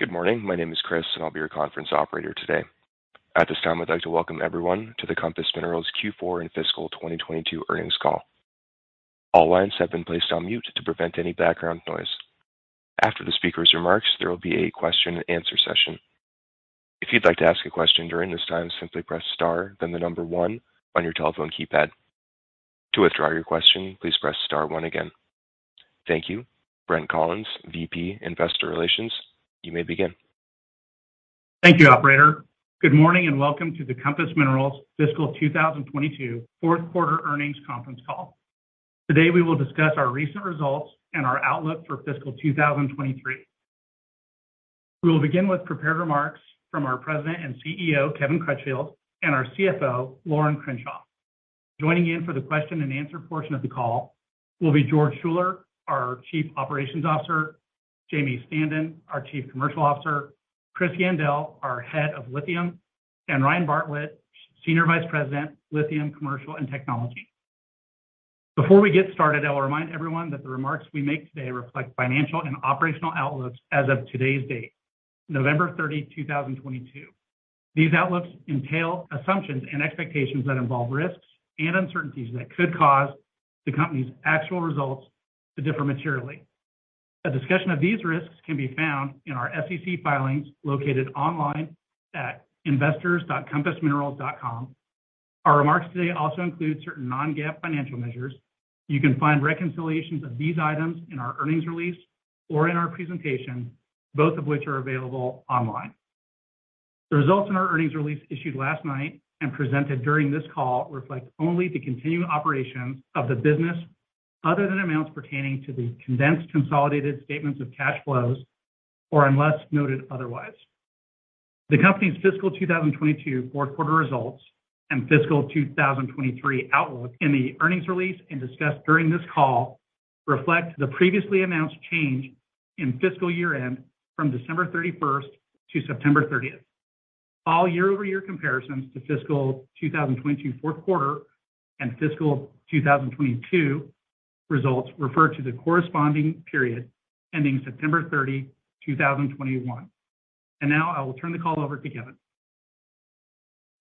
Good morning. My name is Chris. I'll be your conference operator today. At this time, I'd like to welcome everyone to the Compass Minerals Q4 and Fiscal 2022 Earnings Call. All lines have been placed on mute to prevent any background noise. After the speaker's remarks, there will be a question and answer session. If you'd like to ask a question during this time, simply press star, then the number one on your telephone keypad. To withdraw your question, please press star one again. Thank you. Brent Collins, VP, Investor Relations, you may begin. Thank you, operator. Good morning and welcome to the Compass Minerals Fiscal 2022 Fourth Quarter Earnings Conference Call. Today, we will discuss our recent results and our outlook for fiscal 2023. We will begin with prepared remarks from our President and CEO, Kevin Crutchfield, and our CFO, Lorin Crenshaw. Joining in for the question and answer portion of the call will be George Schuller, our Chief Operations Officer, Jamie Standen, our Chief Commercial Officer, Chris Yandell, our Head of Lithium, and Ryan Bartlett, Senior Vice President, Lithium Commercial and Technology. Before we get started, I will remind everyone that the remarks we make today reflect financial and operational outlooks as of today's date, November 30, 2022. These outlooks entail assumptions and expectations that involve risks and uncertainties that could cause the company's actual results to differ materially. A discussion of these risks can be found in our SEC filings located online at investors.compassminerals.com. Our remarks today also include certain non-GAAP financial measures. You can find reconciliations of these items in our earnings release or in our presentation, both of which are available online. The results in our earnings release issued last night and presented during this call reflect only the continuing operations of the business other than amounts pertaining to the condensed consolidated statements of cash flows or unless noted otherwise. The company's fiscal 2022 fourth quarter results and fiscal 2023 outlook in the earnings release and discussed during this call reflect the previously announced change in fiscal year-end from December 31st to September 30th. All year-over-year comparisons to fiscal 2022 fourth quarter and fiscal 2022 results refer to the corresponding period ending September 30, 2021. Now I will turn the call over to Kevin.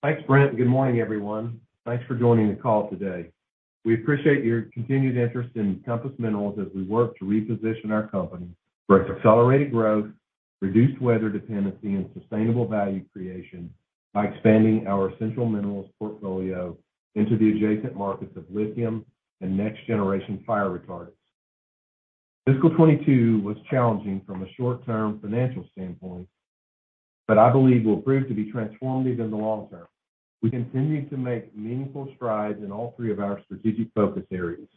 Thanks, Brent. Good morning, everyone. Thanks for joining the call today. We appreciate your continued interest in Compass Minerals as we work to reposition our company for accelerated growth, reduced weather dependency, and sustainable value creation by expanding our essential minerals portfolio into the adjacent markets of lithium and next-generation fire retardants. Fiscal 2022 was challenging from a short-term financial standpoint, but I believe will prove to be transformative in the long term. We continued to make meaningful strides in all three of our strategic focus areas,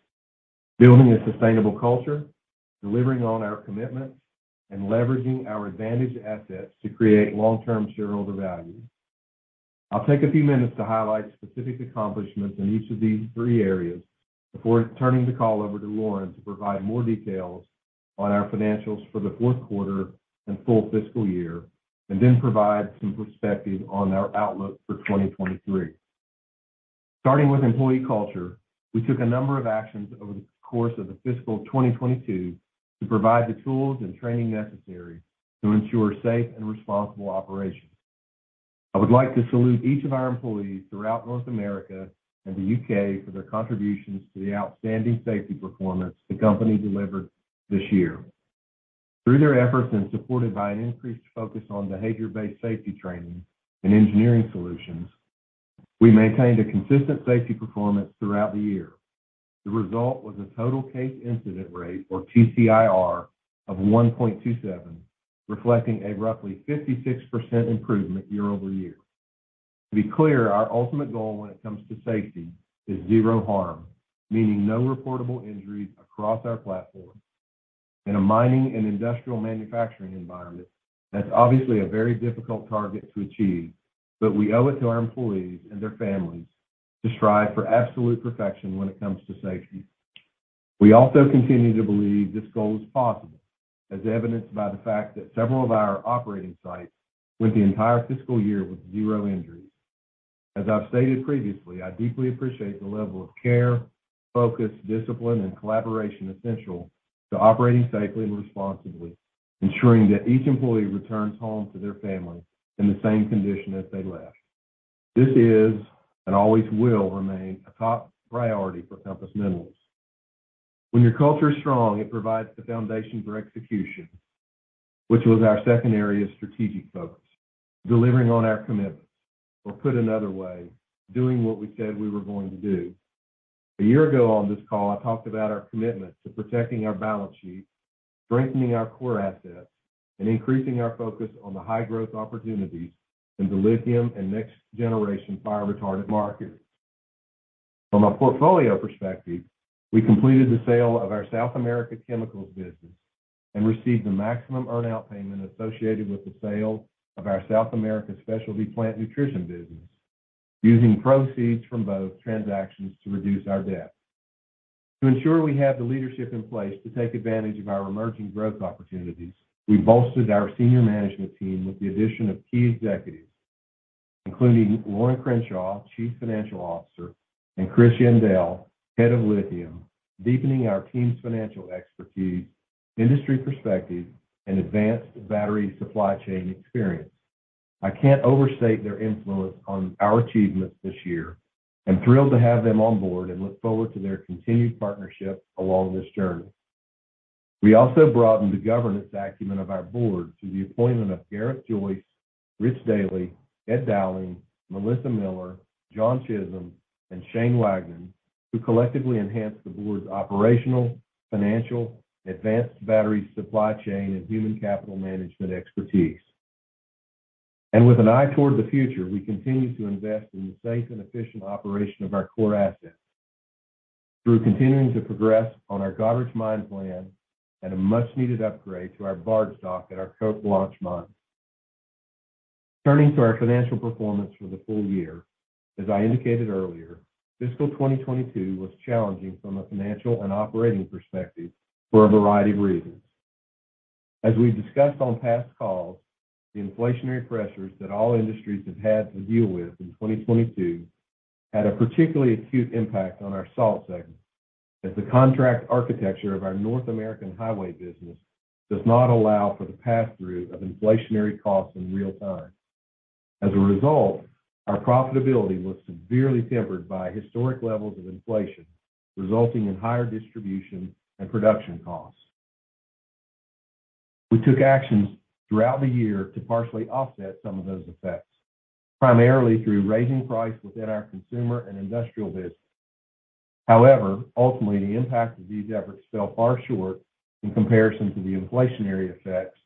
building a sustainable culture, delivering on our commitments, and leveraging our advantage assets to create long-term shareholder value. I'll take a few minutes to highlight specific accomplishments in each of these three areas before turning the call over to Lorin to provide more details on our financials for the fourth quarter and full fiscal year, and then provide some perspective on our outlook for 2023. Starting with employee culture, we took a number of actions over the course of the fiscal 2022 to provide the tools and training necessary to ensure safe and responsible operations. I would like to salute each of our employees throughout North America and the U.K. for their contributions to the outstanding safety performance the company delivered this year. Through their efforts and supported by an increased focus on behavior-based safety training and engineering solutions, we maintained a consistent safety performance throughout the year. The result was a total case incident rate, or TCIR, of 1.27, reflecting a roughly 56% improvement year-over-year. To be clear, our ultimate goal when it comes to safety is zero harm, meaning no reportable injuries across our platform. In a mining and industrial manufacturing environment, that's obviously a very difficult target to achieve, but we owe it to our employees and their families to strive for absolute perfection when it comes to safety. We also continue to believe this goal is possible, as evidenced by the fact that several of our operating sites went the entire fiscal year with zero injuries. As I've stated previously, I deeply appreciate the level of care, focus, discipline, and collaboration essential to operating safely and responsibly, ensuring that each employee returns home to their family in the same condition as they left. This is, and always will remain, a top priority for Compass Minerals. When your culture is strong, it provides the foundation for execution, which was our second area of strategic focus, delivering on our commitments. Or put another way, doing what we said we were going to do. A year ago on this call, I talked about our commitment to protecting our balance sheet, strengthening our core assets, and increasing our focus on the high-growth opportunities in the lithium and next-generation fire retardant markets. From a portfolio perspective, we completed the sale of our South America chemicals business and received the maximum earn-out payment associated with the sale of our South America specialty plant nutrition business, using proceeds from both transactions to reduce our debt. To ensure we have the leadership in place to take advantage of our emerging growth opportunities, we bolstered our senior management team with the addition of key executives, including Lorin Crenshaw, Chief Financial Officer, and Chris Yandell, Head of Lithium, deepening our team's financial expertise, industry perspective, and advanced battery supply chain experience. I can't overstate their influence on our achievements this year. I'm thrilled to have them on board and look forward to their continued partnership along this journey. We also broadened the governance acumen of our board through the appointment of Gareth Joyce, Rich Dealy, Ed Dowling, Melissa Miller, Jon Chisholm, and Shane Wagnon, who collectively enhanced the board's operational, financial, advanced battery supply chain, and human capital management expertise. With an eye toward the future, we continue to invest in the safe and efficient operation of our core assets through continuing to progress on our Goderich mine plan and a much-needed upgrade to our barge dock at our Cote Blanche mine. Turning to our financial performance for the full year, as I indicated earlier, fiscal 2022 was challenging from a financial and operating perspective for a variety of reasons. As we've discussed on past calls, the inflationary pressures that all industries have had to deal with in 2022 had a particularly acute impact on our salt segment, as the contract architecture of our North American highway business does not allow for the passthrough of inflationary costs in real time. As a result, our profitability was severely tempered by historic levels of inflation, resulting in higher distribution and production costs. We took actions throughout the year to partially offset some of those effects, primarily through raising price within our consumer and industrial businesses. Ultimately, the impact of these efforts fell far short in comparison to the inflationary effects,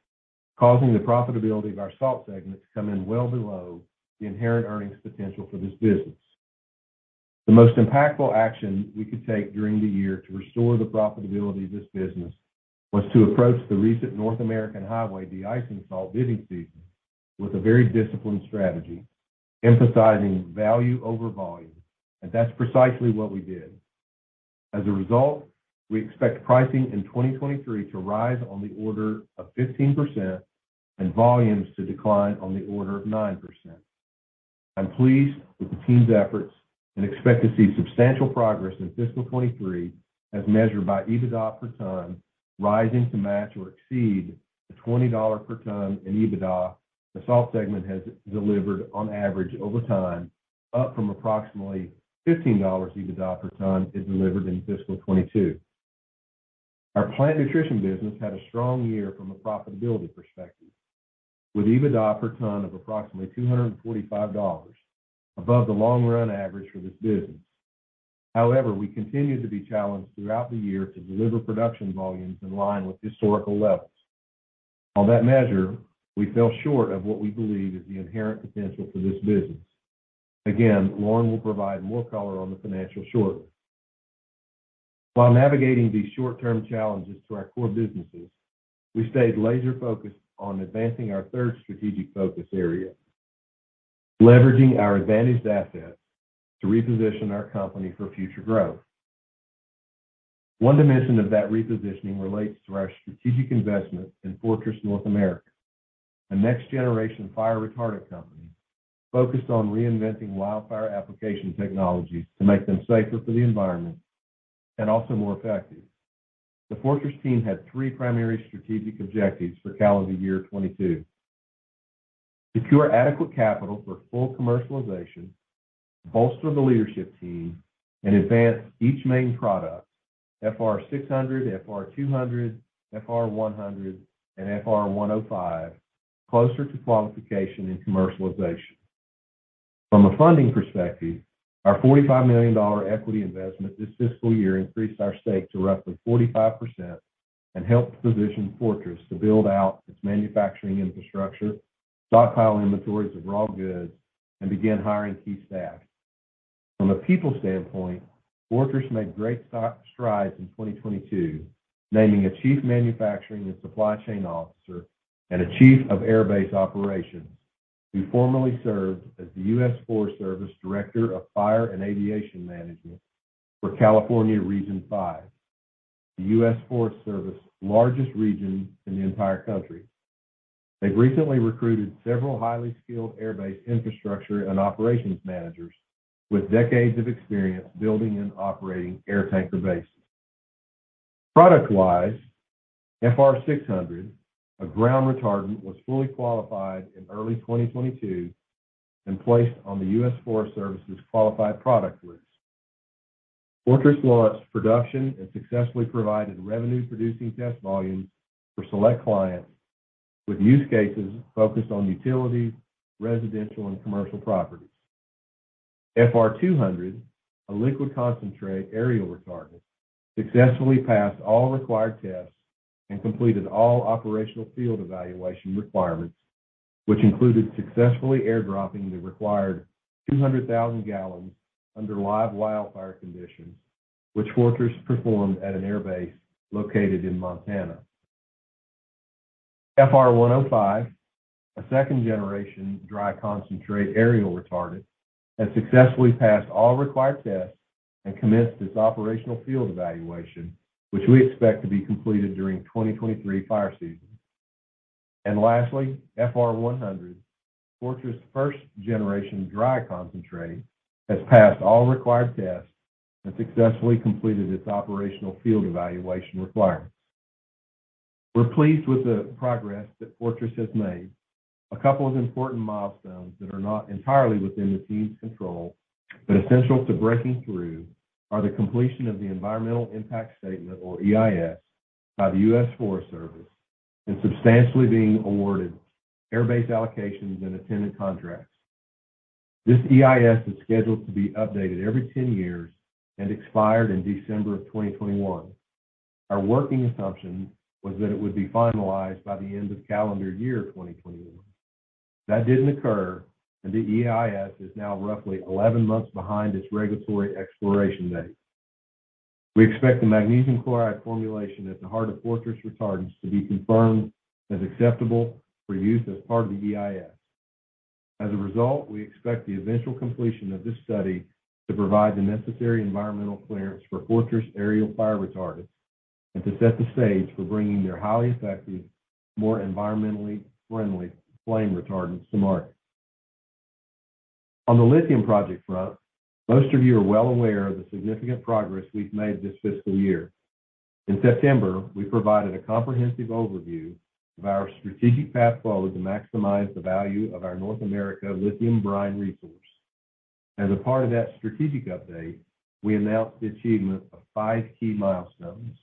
causing the profitability of our salt segment to come in well below the inherent earnings potential for this business. The most impactful action we could take during the year to restore the profitability of this business was to approach the recent North American highway de-icing salt bidding season with a very disciplined strategy, emphasizing value over volume, and that's precisely what we did. We expect pricing in 2023 to rise on the order of 15% and volumes to decline on the order of 9%. I'm pleased with the team's efforts and expect to see substantial progress in fiscal 2023 as measured by EBITDA per ton, rising to match or exceed the $20 per ton in EBITDA the salt segment has delivered on average over time, up from approximately $15 EBITDA per ton it delivered in fiscal 2022. Our plant nutrition business had a strong year from a profitability perspective, with EBITDA per ton of approximately $245 above the long run average for this business. We continue to be challenged throughout the year to deliver production volumes in line with historical levels. On that measure, we fell short of what we believe is the inherent potential for this business. Lorin will provide more color on the financial shortly. While navigating these short-term challenges to our core businesses, we stayed laser-focused on advancing our third strategic focus area, leveraging our advantaged assets to reposition our company for future growth. One dimension of that repositioning relates to our strategic investment in Fortress North America, a next-generation fire retardant company focused on reinventing wildfire application technologies to make them safer for the environment and also more effective. The Fortress team had three primary strategic objectives for calendar year 2022. Secure adequate capital for full commercialization, bolster the leadership team, and advance each main product, FR-600, FR-200, FR-100, and FR-105, closer to qualification and commercialization. From a funding perspective, our $45 million equity investment this fiscal year increased our stake to roughly 45% and helped position Fortress to build out its manufacturing infrastructure, stockpile inventories of raw goods, and begin hiring key staff. From a people standpoint, Fortress made great strides in 2022, naming a Chief Manufacturing and Supply Chain Officer and a Chief of Air Base Operations, who formerly served as the U.S. Forest Service Director of Fire and Aviation Management for California Region 5, the U.S. Forest Service's largest region in the entire country. They've recently recruited several highly skilled airbase infrastructure and operations managers with decades of experience building and operating air tanker bases. Product-wise, FR-600, a ground retardant, was fully qualified in early 2022 and placed on the U.S. Forest Service's Qualified Products List. Fortress launched production and successfully provided revenue-producing test volumes for select clients with use cases focused on utility, residential, and commercial properties. FR-200, a liquid concentrate aerial retardant, successfully passed all required tests and completed all operational field evaluation requirements, which included successfully air dropping the required 200,000 gal under live wildfire conditions, which Fortress performed at an air base located in Montana. FR-105, a second-generation dry concentrate aerial retardant, has successfully passed all required tests, and commence its operational field evaluation, which we expect to be completed during 2023 fire season. Lastly, FR-100, Fortress first generation dry concentrate has passed all required tests and successfully completed its operational field evaluation requirements. We're pleased with the progress that Fortress has made. A couple of important milestones that are not entirely within the team's control, but essential to breaking through are: the completion of the Environmental Impact Statement, or EIS, by the U.S. Forest Service, and substantially being awarded airbase allocations and attendant contracts. This EIS is scheduled to be updated every 10 years and expired in December of 2021. Our working assumption was that it would be finalized by the end of calendar year 2021. That didn't occur, the EIS is now roughly 11 months behind its regulatory expiration date. We expect the magnesium chloride formulation at the heart of Fortress retardants to be confirmed as acceptable for use as part of the EIS. As a result, we expect the eventual completion of this study to provide the necessary environmental clearance for Fortress aerial fire retardants and to set the stage for bringing their highly effective, more environmentally friendly flame retardants to market. On the lithium project front, most of you are well aware of the significant progress we've made this fiscal year. In September, we provided a comprehensive overview of our strategic path forward to maximize the value of our North America lithium brine resource. As a part of that strategic update, we announced the achievement of five key milestones.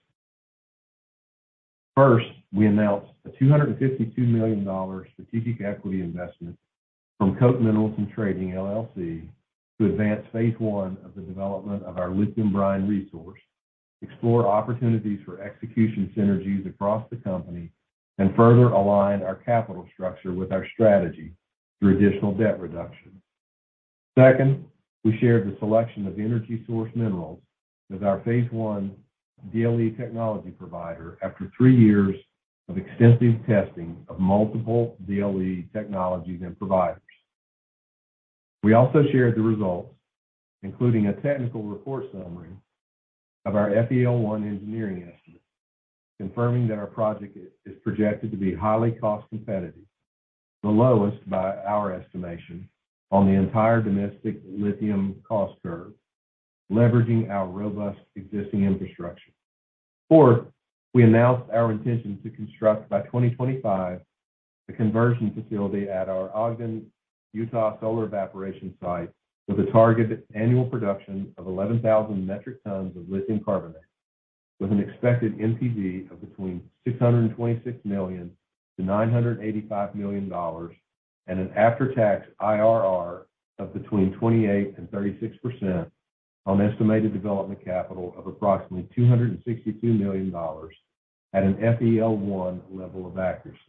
First, we announced a $252 million strategic equity investment from Koch Minerals & Trading, LLC to advance phase one of the development of our lithium brine resource, explore opportunities for execution synergies across the company, and further align our capital structure with our strategy through additional debt reduction. Second, we shared the selection of EnergySource Minerals as our phase one DLE technology provider after three years of extensive testing of multiple DLE technologies and providers. We also shared the results, including a technical report summary of our FEL-1 engineering estimate, confirming that our project is projected to be highly cost competitive, the lowest by our estimation on the entire domestic lithium cost curve, leveraging our robust existing infrastructure. Fourth, we announced our intention to construct by 2025 the conversion facility at our Ogden, Utah solar evaporation site with a targeted annual production of 11,000 metric tons of lithium carbonate with an expected NPV of between $626 million-$985 million and an after-tax IRR of between 28% and 36% on estimated development capital of approximately $262 million at an FEL-1 level of accuracy.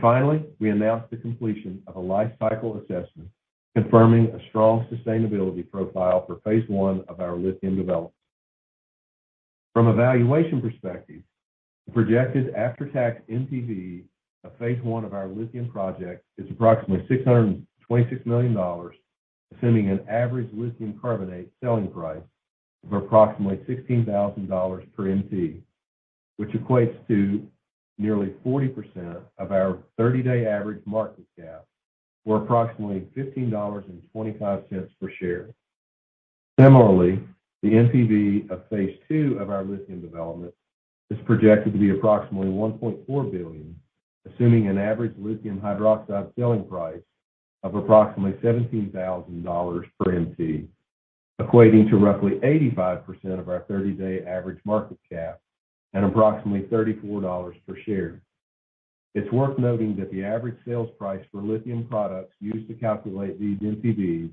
Finally, we announced the completion of a Life Cycle Assessment confirming a strong sustainability profile for phase one of our lithium development. From a valuation perspective, the projected after-tax NPV of phase oneof our lithium project is approximately $626 million, assuming an average lithium carbonate selling price of approximately $16,000 per MT, which equates to nearly 40% of our 30-day average market cap, or approximately $15.25 per share. Similarly, the NPV of phase two of our lithium development is projected to be approximately $1.4 billion, assuming an average lithium hydroxide selling price of approximately $17,000 per MT, equating to roughly 85% of our 30-day average market cap at approximately $34 per share. It's worth noting that the average sales price for lithium products used to calculate these NPVs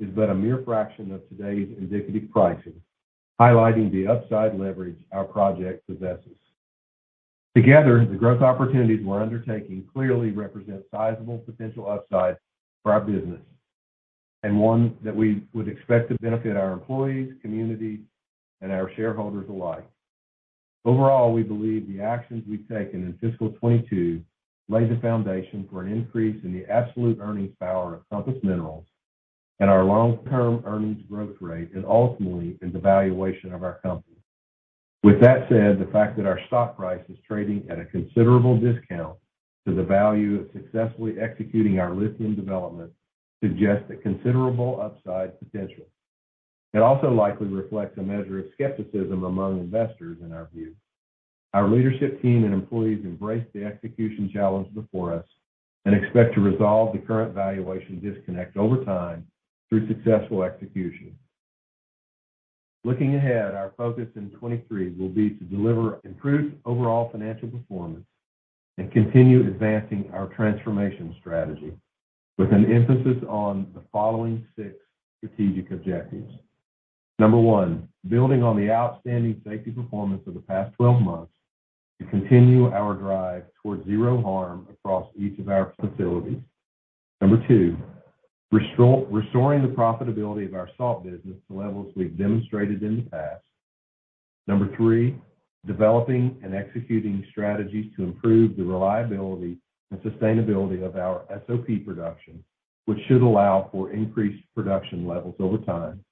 is but a mere fraction of today's indicative pricing, highlighting the upside leverage our project possesses. The growth opportunities we're undertaking clearly represent sizable potential upside for our business, and one that we would expect to benefit our employees, community, and our shareholders alike. We believe the actions we've taken in fiscal 2022 lay the foundation for an increase in the absolute earnings power of Compass Minerals and our long-term earnings growth rate, and ultimately in the valuation of our company. The fact that our stock price is trading at a considerable discount to the value of successfully executing our lithium development suggests a considerable upside potential. It also likely reflects a measure of skepticism among investors, in our view. Our leadership team and employees embrace the execution challenge before us and expect to resolve the current valuation disconnect over time through successful execution. Looking ahead, our focus in 2023 will be to deliver improved overall financial performance and continue advancing our transformation strategy with an emphasis on the following six strategic objectives. Number one, building on the outstanding safety performance of the past 12 months to continue our drive towards zero harm across each of our facilities. Number two, restoring the profitability of our salt business to levels we've demonstrated in the past. Number three, developing and executing strategies to improve the reliability and sustainability of our SOP production, which should allow for increased production levels over time.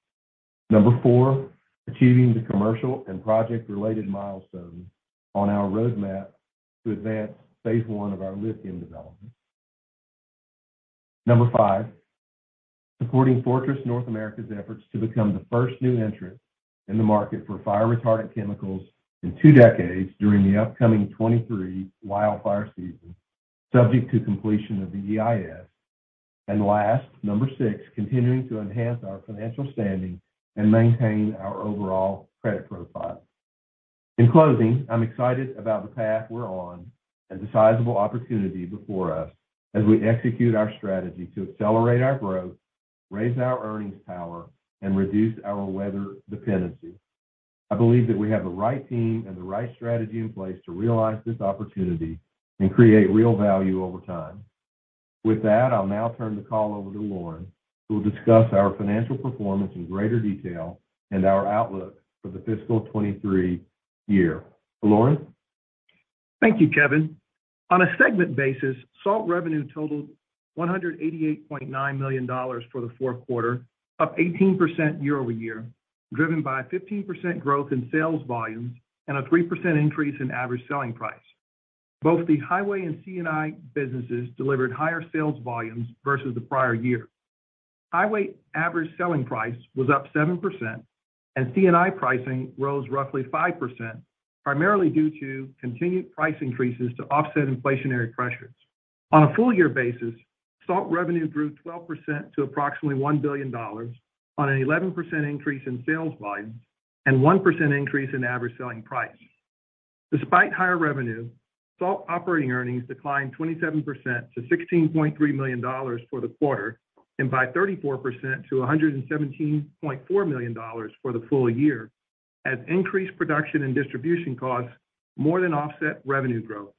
Number four, achieving the commercial and project-related milestones on our roadmap to advance phase one of our lithium development. Number five, supporting Fortress North America's efforts to become the first new entrant in the market for fire retardant chemicals in two decades during the upcoming 2023 wildfire season, subject to completion of the EIS. Last, number six, continuing to enhance our financial standing and maintain our overall credit profile. In closing, I'm excited about the path we're on and the sizable opportunity before us as we execute our strategy to accelerate our growth, raise our earnings power, and reduce our weather dependency. I believe that we have the right team and the right strategy in place to realize this opportunity and create real value over time. I'll now turn the call over to Lorin, who will discuss our financial performance in greater detail and our outlook for the fiscal 2023 year. Lorin. Thank you, Kevin. On a segment basis, salt revenue totaled $188.9 million for the fourth quarter, up 18% year-over-year, driven by a 15% growth in sales volumes and a 3% increase in average selling price. Both the highway and C&I businesses delivered higher sales volumes versus the prior year. Highway average selling price was up 7%, and C&I pricing rose roughly 5%, primarily due to continued price increases to offset inflationary pressures. On a full-year basis, salt revenue grew 12% to approximately $1 billion on an 11% increase in sales volume and 1% increase in average selling price. Despite higher revenue, salt operating earnings declined 27% to $16.3 million for the quarter and by 34% to $117.4 million for the full year as increased production and distribution costs more than offset revenue growth.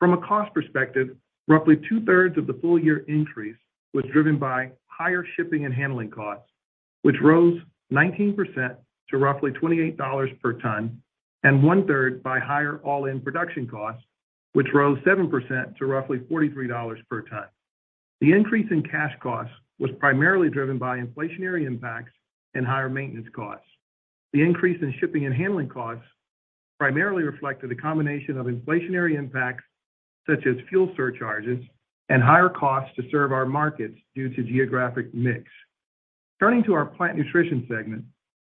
From a cost perspective, roughly 2/3 of the full-year increase was driven by higher shipping and handling costs, which rose 19% to roughly $28 per ton, and 1/3 by higher all-in production costs, which rose 7% to roughly $43 per ton. The increase in cash costs was primarily driven by inflationary impacts and higher maintenance costs. The increase in shipping and handling costs primarily reflected a combination of inflationary impacts, such as fuel surcharges and higher costs to serve our markets due to geographic mix. Turning to our plant nutrition segment,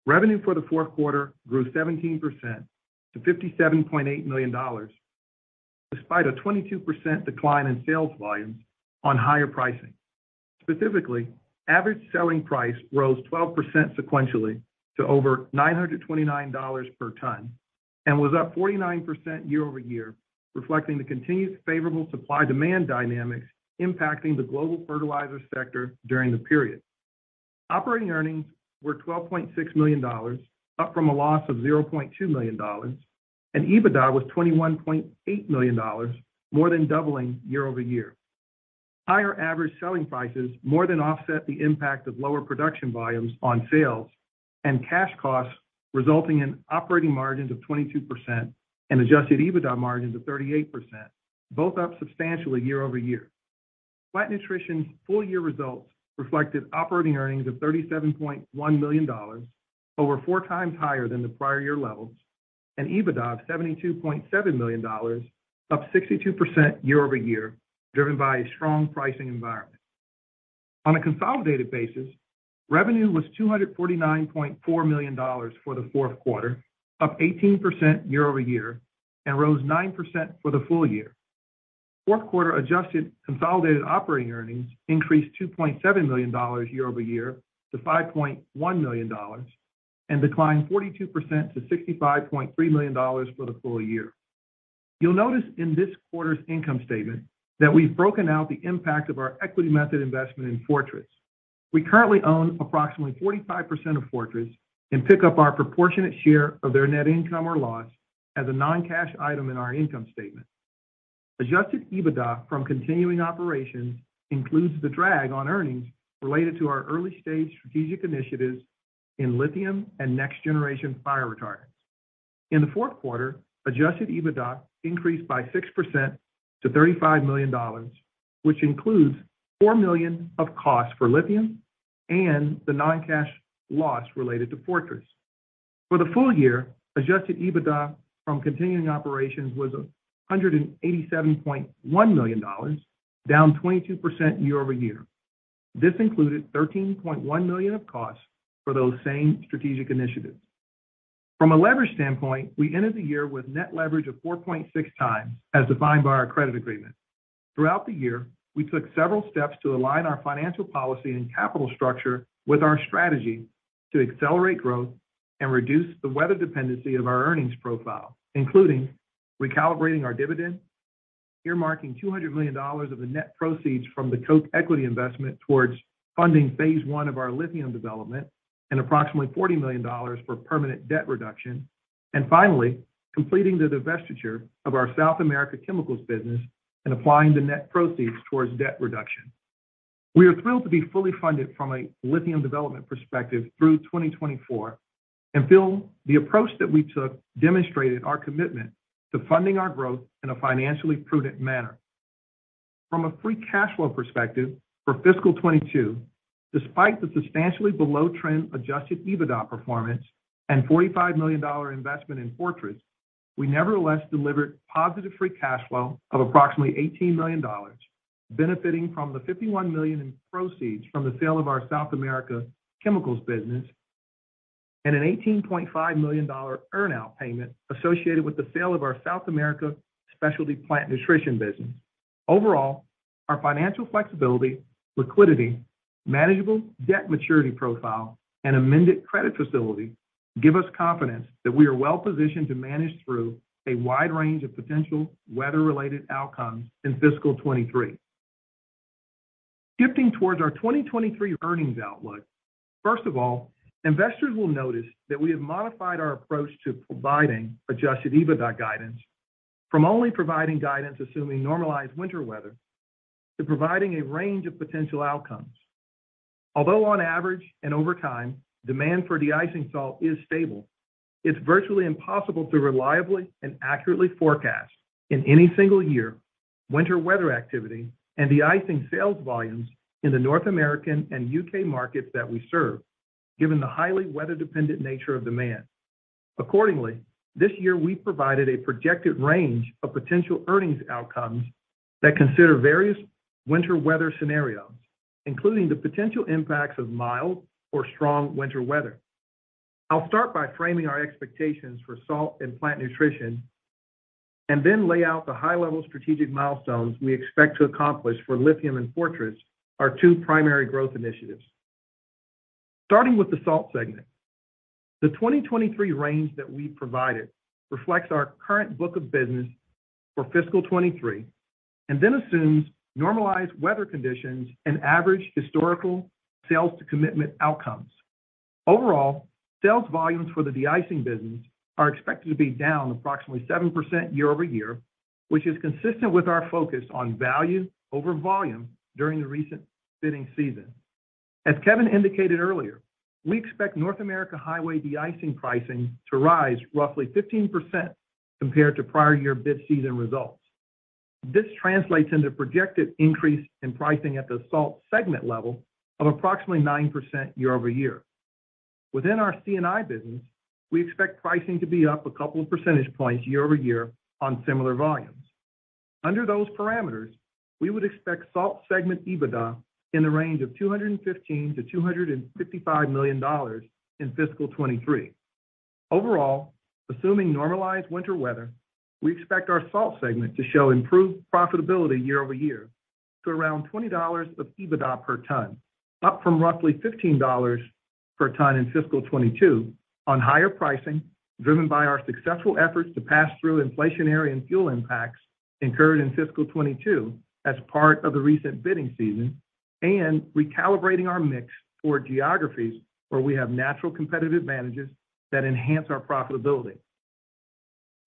revenue for the fourth quarter grew 17% to $57.8 million, despite a 22% decline in sales volume on higher pricing. Specifically, average selling price rose 12% sequentially to over $929 per ton and was up 49% year-over-year, reflecting the continued favorable supply-demand dynamics impacting the global fertilizer sector during the period. Operating earnings were $12.6 million, up from a loss of $0.2 million, and EBITDA was $21.8 million, more than doubling year-over-year. Higher average selling prices more than offset the impact of lower production volumes on sales and cash costs, resulting in operating margins of 22% and adjusted EBITDA margins of 38%, both up substantially year-over-year. Plant nutrition's full-year results reflected operating earnings of $37.1 million over four times higher than the prior year levels, and EBITDA of $72.7 million, up 62% year-over-year, driven by a strong pricing environment. On a consolidated basis, revenue was $249.4 million for the fourth quarter, up 18% year-over-year, and rose 9% for the full year. Fourth quarter adjusted consolidated operating earnings increased $2.7 million year-over-year to $5.1 million and declined 42% to $65.3 million for the full year. You'll notice in this quarter's income statement that we've broken out the impact of our equity method investment in Fortress. We currently own approximately 45% of Fortress and pick up our proportionate share of their net income or loss as a non-cash item in our income statement. Adjusted EBITDA from continuing operations includes the drag on earnings related to our early-stage strategic initiatives in lithium and next-generation fire retardant. In the fourth quarter, adjusted EBITDA increased by 6% to $35 million, which includes $4 million of costs for lithium and the non-cash loss related to Fortress. For the full year, adjusted EBITDA from continuing operations was $187.1 million, down 22% year-over-year. This included $13.1 million of costs for those same strategic initiatives. From a leverage standpoint, we ended the year with net leverage of 4.6 times as defined by our credit agreement. Throughout the year, we took several steps to align our financial policy and capital structure with our strategy to accelerate growth and reduce the weather dependency of our earnings profile, including recalibrating our dividend, earmarking $200 million of the net proceeds from the Koch equity investment towards funding phase one of our lithium development, and approximately $40 million for permanent debt reduction. Finally, completing the divestiture of our South America chemicals business and applying the net proceeds towards debt reduction. We are thrilled to be fully funded from a lithium development perspective through 2024 and feel the approach that we took demonstrated our commitment to funding our growth in a financially prudent manner. From a free cash flow perspective for fiscal 2022, despite the substantially below trend adjusted EBITDA performance and $45 million investment in Fortress, we nevertheless delivered positive free cash flow of approximately $18 million, benefiting from the $51 million in proceeds from the sale of our South America chemicals business and an $18.5 million earn-out payment associated with the sale of our South America specialty plant nutrition business. Overall, our financial flexibility, liquidity, manageable debt maturity profile and amended credit facility give us confidence that we are well positioned to manage through a wide range of potential weather-related outcomes in fiscal 2023. Shifting towards our 2023 earnings outlook, first of all, investors will notice that we have modified our approach to providing adjusted EBITDA guidance from only providing guidance, assuming normalized winter weather, to providing a range of potential outcomes. Although on average and over time, demand for de-icing salt is stable, it's virtually impossible to reliably and accurately forecast in any single year, winter weather activity and de-icing sales volumes in the North American and U.K. markets that we serve, given the highly weather-dependent nature of demand. This year we provided a projected range of potential earnings outcomes that consider various winter weather scenarios, including the potential impacts of mild or strong winter weather. I'll start by framing our expectations for salt and plant nutrition, lay out the high-level strategic milestones we expect to accomplish for lithium and Fortress, our two primary growth initiatives. Starting with the salt segment. The 2023 range that we provided reflects our current book of business for fiscal 2023, assumes normalized weather conditions and average historical sales commitment outcomes. Overall, sales volumes for the de-icing business are expected to be down approximately 7% year-over-year, which is consistent with our focus on value over volume during the recent bidding season. As Kevin indicated earlier, we expect North America highway de-icing pricing to rise roughly 15% compared to prior year bid season results. This translates into projected increase in pricing at the salt segment level of approximately 9% year-over-year. Within our C&I business, we expect pricing to be up a couple of percentage points year-over-year on similar volumes. Under those parameters, we would expect salt segment EBITDA in the range of $215 million-$255 million in fiscal 2023. Overall, assuming normalized winter weather, we expect our salt segment to show improved profitability year-over-year to around $20 of EBITDA per ton, up from roughly $15 per ton in fiscal 2022 on higher pricing, driven by our successful efforts to pass through inflationary and fuel impacts incurred in fiscal 2022 as part of the recent bidding season, and recalibrating our mix toward geographies where we have natural competitive advantages that enhance our profitability.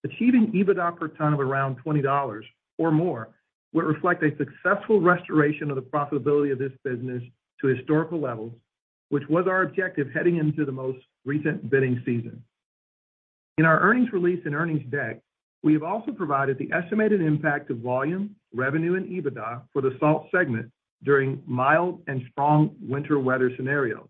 Achieving EBITDA per ton of around $20 or more would reflect a successful restoration of the profitability of this business to historical levels, which was our objective heading into the most recent bidding season. In our earnings release and earnings deck, we have also provided the estimated impact of volume, revenue, and EBITDA for the salt segment during mild and strong winter weather scenarios.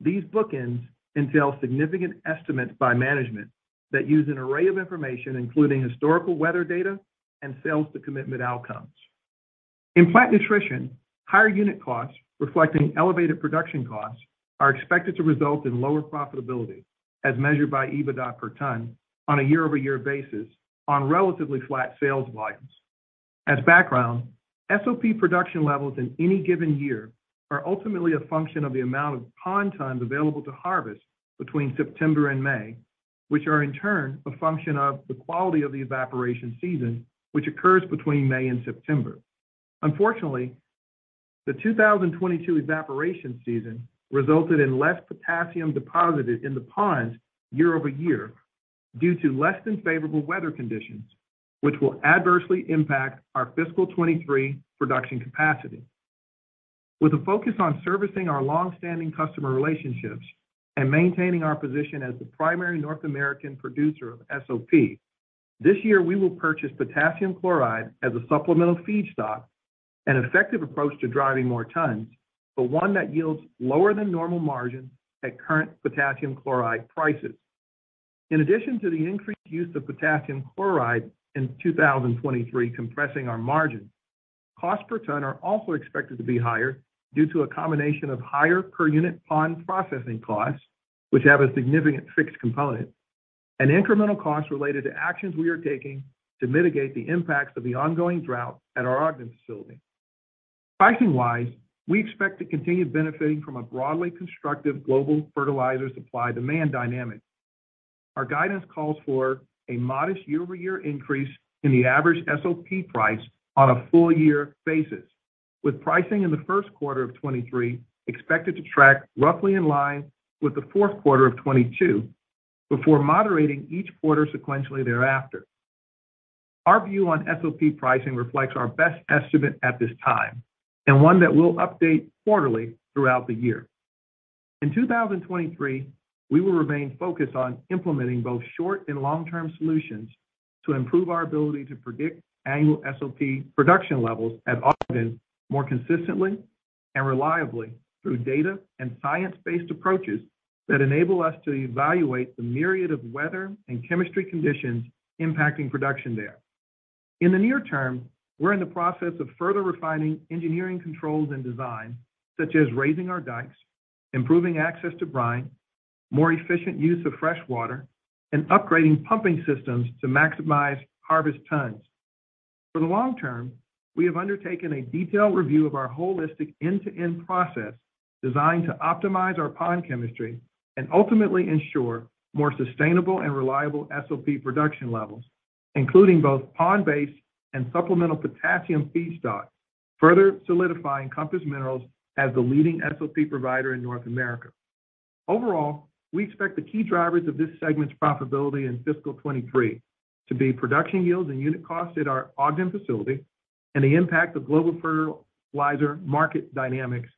These bookends entail significant estimates by management that use an array of information, including historical weather data and sales to commitment outcomes. In plant nutrition, higher unit costs, reflecting elevated production costs, are expected to result in lower profitability as measured by EBITDA per ton on a year-over-year basis on relatively flat sales volumes. As background, SOP production levels in any given year are ultimately a function of the amount of pond tons available to harvest between September and May, which are in turn a function of the quality of the evaporation season, which occurs between May and September. Unfortunately, the 2022 evaporation season resulted in less potassium deposited in the ponds year-over-year due to less than favorable weather conditions, which will adversely impact our fiscal 2023 production capacity. With a focus on servicing our long-standing customer relationships and maintaining our position as the primary North American producer of SOP, this year we will purchase potassium chloride as a supplemental feedstock, an effective approach to driving more tons, but one that yields lower than normal margins at current potassium chloride prices. In addition to the increased use of potassium chloride in 2023 compressing our margins, costs per ton are also expected to be higher due to a combination of higher per unit pond processing costs, which have a significant fixed component, and incremental costs related to actions we are taking to mitigate the impacts of the ongoing drought at our Ogden facility. Pricing-wise, we expect to continue benefiting from a broadly constructive global fertilizer supply/demand dynamic. Our guidance calls for a modest year-over-year increase in the average SOP price on a full year basis, with pricing in the first quarter of 2023 expected to track roughly in line with the fourth quarter of 2022 before moderating each quarter sequentially thereafter. Our view on SOP pricing reflects our best estimate at this time, and one that we'll update quarterly throughout the year. In 2023, we will remain focused on implementing both short and long-term solutions to improve our ability to predict annual SOP production levels at Ogden more consistently and reliably through data and science-based approaches that enable us to evaluate the myriad of weather and chemistry conditions impacting production there. In the near term, we're in the process of further refining engineering controls and design, such as raising our dikes, improving access to brine, more efficient use of fresh water, and upgrading pumping systems to maximize harvest tons. For the long term, we have undertaken a detailed review of our holistic end-to-end process designed to optimize our pond chemistry and ultimately ensure more sustainable and reliable SOP production levels, including both pond-based and supplemental potassium feedstock, further solidifying Compass Minerals as the leading SOP provider in North America. Overall, we expect the key drivers of this segment's profitability in fiscal 2023 to be production yields and unit costs at our Ogden facility and the impact of global fertilizer market dynamics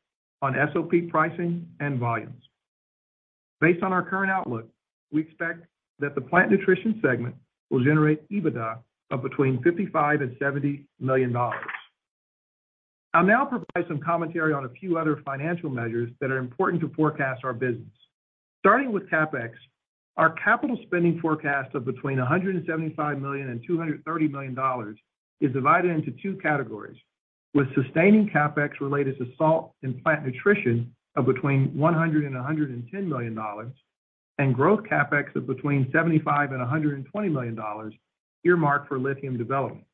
on SOP pricing and volumes. Based on our current outlook, we expect that the plant nutrition segment will generate EBITDA of between $55 million and $70 million. I'll now provide some commentary on a few other financial measures that are important to forecast our business. CapEx, our capital spending forecast of between $175 million and $230 million is divided into two categories. Sustaining CapEx related to salt and plant nutrition of between $100 million and $110 million, and growth CapEx of between $75 million and $120 million earmarked for lithium development.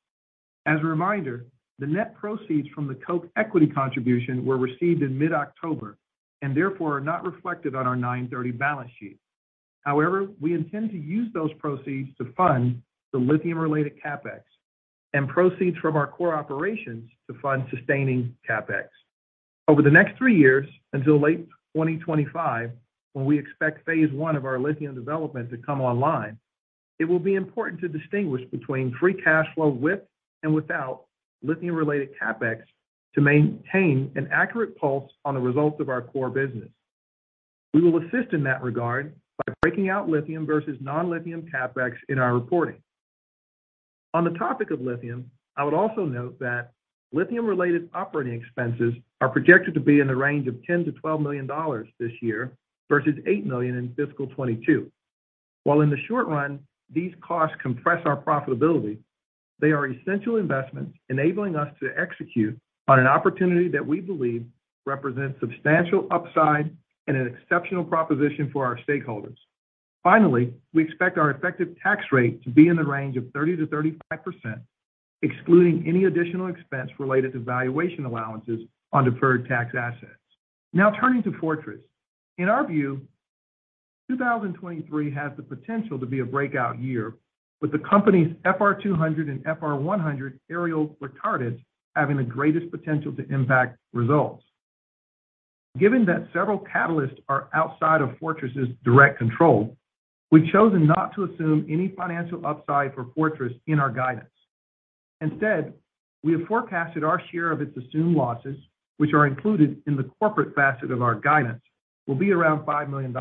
A reminder, the net proceeds from the Koch equity contribution were received in mid-October and therefore are not reflected on our 9/30 balance sheet. We intend to use those proceeds to fund the lithium-related CapEx and proceeds from our core operations to fund sustaining CapEx. Over the next three years until late 2025, when we expect phase one of our lithium development to come online, it will be important to distinguish between free cash flow with and without lithium-related CapEx to maintain an accurate pulse on the results of our core business. We will assist in that regard by breaking out lithium versus non-lithium CapEx in our reporting. On the topic of lithium, I would also note that lithium-related operating expenses are projected to be in the range of $10 million-$12 million this year versus $8 million in fiscal 2022. While in the short run, these costs compress our profitability, they are essential investments enabling us to execute on an opportunity that we believe represents substantial upside and an exceptional proposition for our stakeholders. Finally, we expect our effective tax rate to be in the range of 30%-35%, excluding any additional expense related to valuation allowances on deferred tax assets. Now turning to Fortress. In our view, 2023 has the potential to be a breakout year, with the company's FR-200 and FR-100 aerial retardants having the greatest potential to impact results. Given that several catalysts are outside of Fortress's direct control, we've chosen not to assume any financial upside for Fortress in our guidance. Instead, we have forecasted our share of its assumed losses, which are included in the corporate facet of our guidance, will be around $5 million.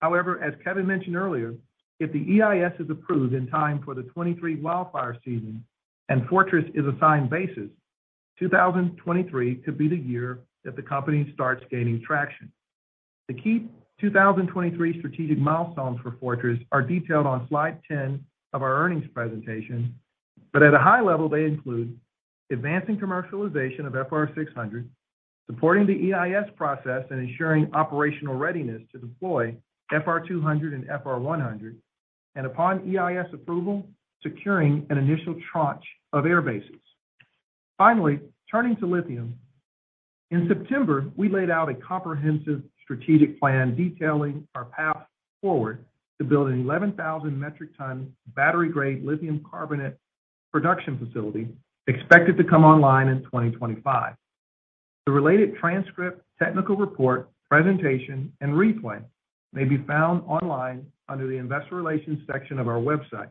However, as Kevin mentioned earlier, if the EIS is approved in time for the 2023 wildfire season and Fortress is assigned bases, 2023 could be the year that the company starts gaining traction. The key 2023 strategic milestones for Fortress are detailed on slide 10 of our earnings presentation, but at a high level, they include advancing commercialization of FR-600, supporting the EIS process and ensuring operational readiness to deploy FR-200 and FR-100, and upon EIS approval, securing an initial tranche of air bases. Finally, turning to lithium. In September, we laid out a comprehensive strategic plan detailing our path forward to build an 11,000 metric ton battery-grade lithium carbonate production facility expected to come online in 2025. The related transcript, technical report, presentation, and replay may be found online under the Investor Relations section of our website.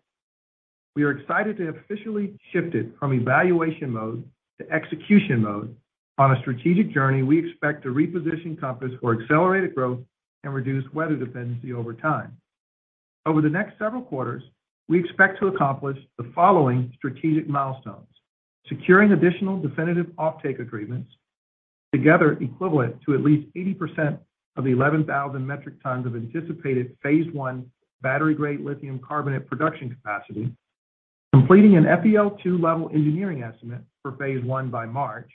We are excited to have officially shifted from evaluation mode to execution mode on a strategic journey we expect to reposition Compass for accelerated growth and reduce weather dependency over time. Over the next several quarters, we expect to accomplish the following strategic milestones: securing additional definitive offtake agreements, together equivalent to at least 80% of the 11,000 metric tons of anticipated phase one battery-grade lithium carbonate production capacity, completing an FEL-2 level engineering estimate for phase one by March,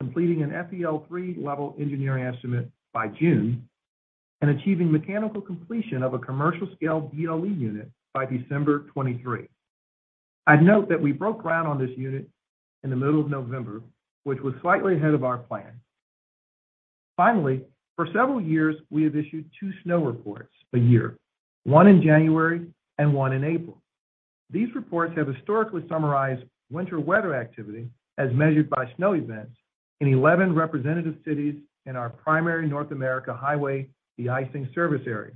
completing an FEL-3 level engineering estimate by June, and achieving mechanical completion of a commercial scale DLE unit by December 2023. I'd note that we broke ground on this unit in the middle of November, which was slightly ahead of our plan. Finally, for several years, we have issued two snow reports a year, one in January and one in April. These reports have historically summarized winter weather activity as measured by snow events in 11 representative cities in our primary North America highway de-icing service area.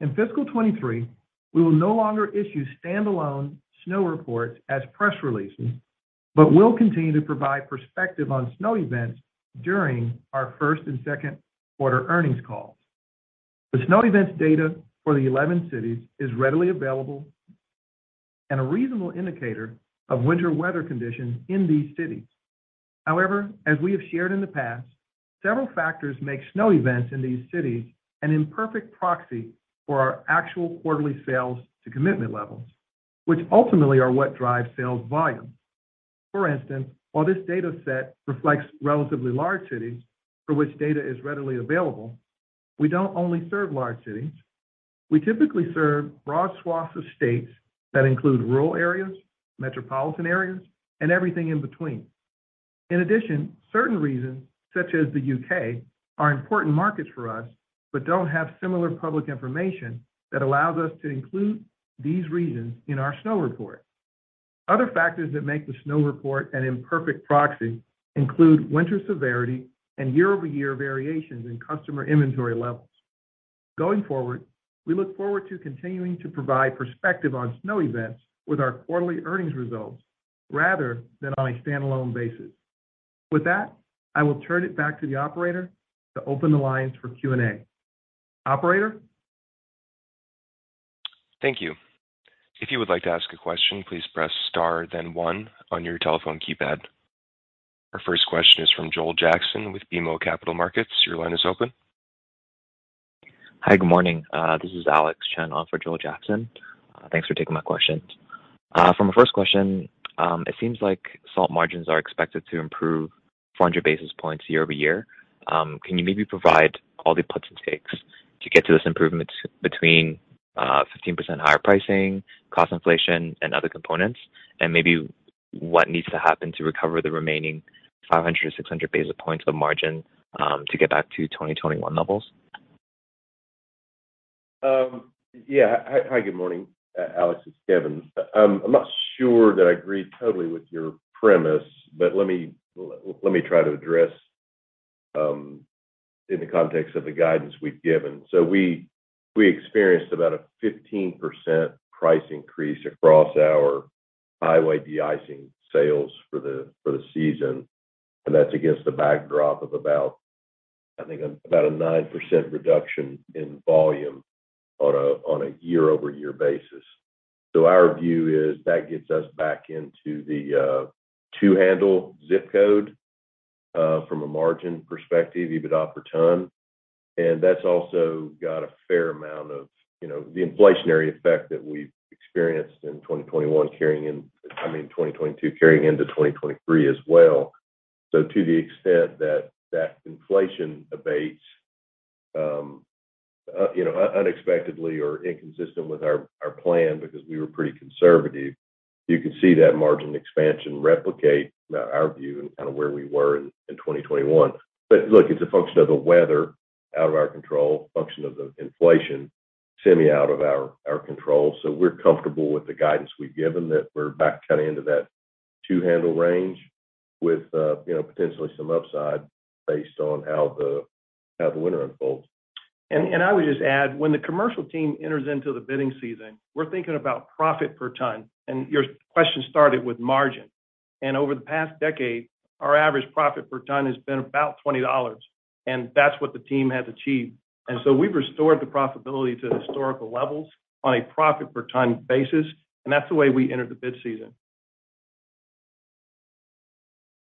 In fiscal 2023, we will no longer issue standalone snow reports as press releases, but will continue to provide perspective on snow events during our first and second quarter earnings calls. The snow events data for the 11 cities is readily available and a reasonable indicator of winter weather conditions in these cities. However, as we have shared in the past, several factors make snow events in these cities an imperfect proxy for our actual quarterly sales to commitment levels, which ultimately are what drive sales volume. For instance, while this data set reflects relatively large cities for which data is readily available, we don't only serve large cities. We typically serve broad swaths of states that include rural areas, metropolitan areas, and everything in between. In addition, certain regions, such as the U.K., are important markets for us, but don't have similar public information that allows us to include these regions in our snow report. Other factors that make the snow report an imperfect proxy include winter severity and year-over-year variations in customer inventory levels. Going forward, we look forward to continuing to provide perspective on snow events with our quarterly earnings results rather than on a standalone basis. With that, I will turn it back to the operator to open the lines for Q&A. Operator? Thank you. If you would like to ask a question, please press star then one on your telephone keypad. Our first question is from Joel Jackson with BMO Capital Markets. Your line is open. Hi. Good morning. This is Alex Chen on for Joel Jackson. Thanks for taking my questions. For my first question, it seems like salt margins are expected to improve 400 basis points year-over-year. Can you maybe provide all the puts and takes to get to this improvement between 15% higher pricing, cost inflation and other components, and maybe what needs to happen to recover the remaining 500 or 600 basis points of margin to get back to 2021 levels? Yeah. Hi, good morning, Alex. It's Kevin. I'm not sure that I agree totally with your premise, but let me try to address in the context of the guidance we've given. We experienced about a 15% price increase across our highway de-icing sales for the season, and that's against a backdrop of about, I think about a 9% reduction in volume on a year-over-year basis. Our view is that gets us back into the two-handle ZIP code from a margin perspective, EBITDA per ton. That's also got a fair amount of, you know, the inflationary effect that we've experienced in 2021 carrying in... I mean, 2022 carrying into 2023 as well. To the extent that that inflation abates, you know, unexpectedly or inconsistent with our plan because we were pretty conservative, you can see that margin expansion replicate our view and kind of where we were in 2021. Look, it's a function of the weather out of our control, function of the inflation semi out of our control. We're comfortable with the guidance we've given that we're back kind of into that two-handle range with, you know, potentially some upside based on how the winter unfolds. I would just add, when the commercial team enters into the bidding season, we're thinking about profit per ton. Your question started with margin. Over the past decade, our average profit per ton has been about $20, and that's what the team has achieved. We've restored the profitability to historical levels on a profit per ton basis, and that's the way we enter the bid season.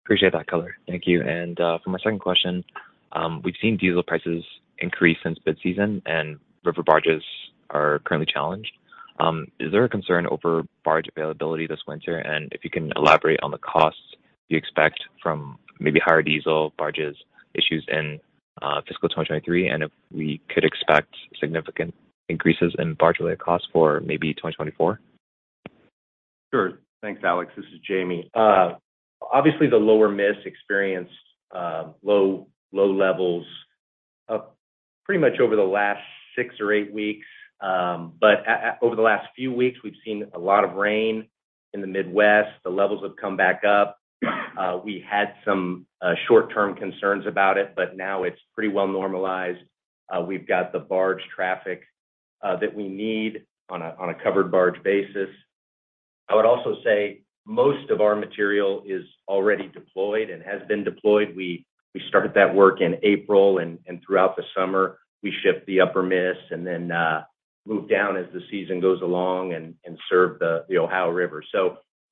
Appreciate that color. Thank you. For my second question, we've seen diesel prices increase since bid season, and river barges are currently challenged. Is there a concern over barge availability this winter? If you can elaborate on the costs you expect from maybe higher diesel barges issues in fiscal 2023, and if we could expect significant increases in barge-related costs for maybe 2024. Sure. Thanks, Alex. This is Jamie. Obviously, the lower Miss experienced low levels pretty much over the last six or eight weeks. Over the last few weeks, we've seen a lot of rain in the Midwest. The levels have come back up. We had some short-term concerns about it, but now it's pretty well normalized. We've got the barge traffic that we need on a covered barge basis. I would also say most of our material is already deployed and has been deployed. We started that work in April and throughout the summer. We ship the upper Miss and then move down as the season goes along and serve the Ohio River.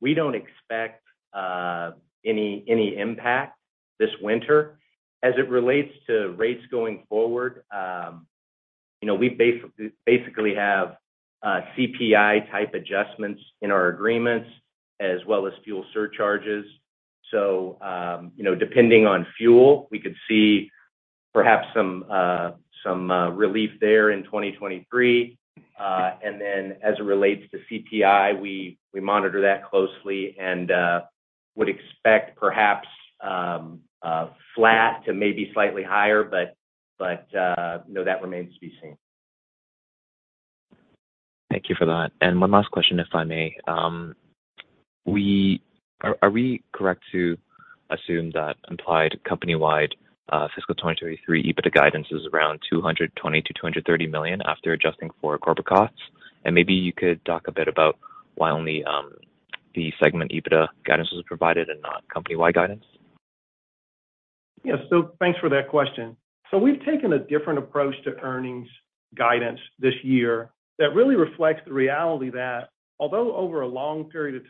We don't expect any impact this winter. As it relates to rates going forward, you know, we basically have CPI-type adjustments in our agreements as well as fuel surcharges. You know, depending on fuel, we could see perhaps some relief there in 2023. As it relates to CPI, we monitor that closely and would expect perhaps flat to maybe slightly higher, but, you know, that remains to be seen. Thank you for that. One last question, if I may. Are we correct to assume that implied company-wide fiscal 2023 EBITDA guidance is around $220 million-$230 million after adjusting for corporate costs? Maybe you could talk a bit about why only the segment EBITDA guidance was provided and not company-wide guidance. Thanks for that question. We've taken a different approach to earnings guidance this year that really reflects the reality that although over a long period of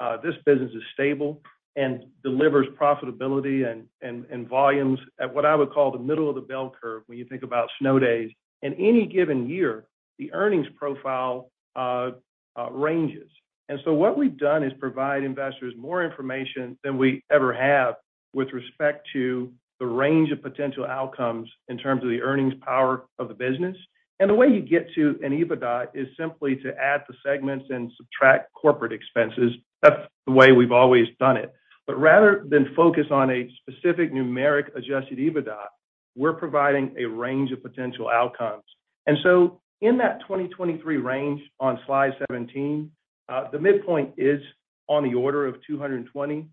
time, this business is stable and delivers profitability and volumes at what I would call the middle of the bell curve when you think about snow days. In any given year, the earnings profile ranges. What we've done is provide investors more information than we ever have with respect to the range of potential outcomes in terms of the earnings power of the business. The way you get to an EBITDA is simply to add the segments and subtract corporate expenses. That's the way we've always done it. Rather than focus on a specific numeric adjusted EBITDA, we're providing a range of potential outcomes. In that 2023 range on slide 17, the midpoint is on the order of $220. On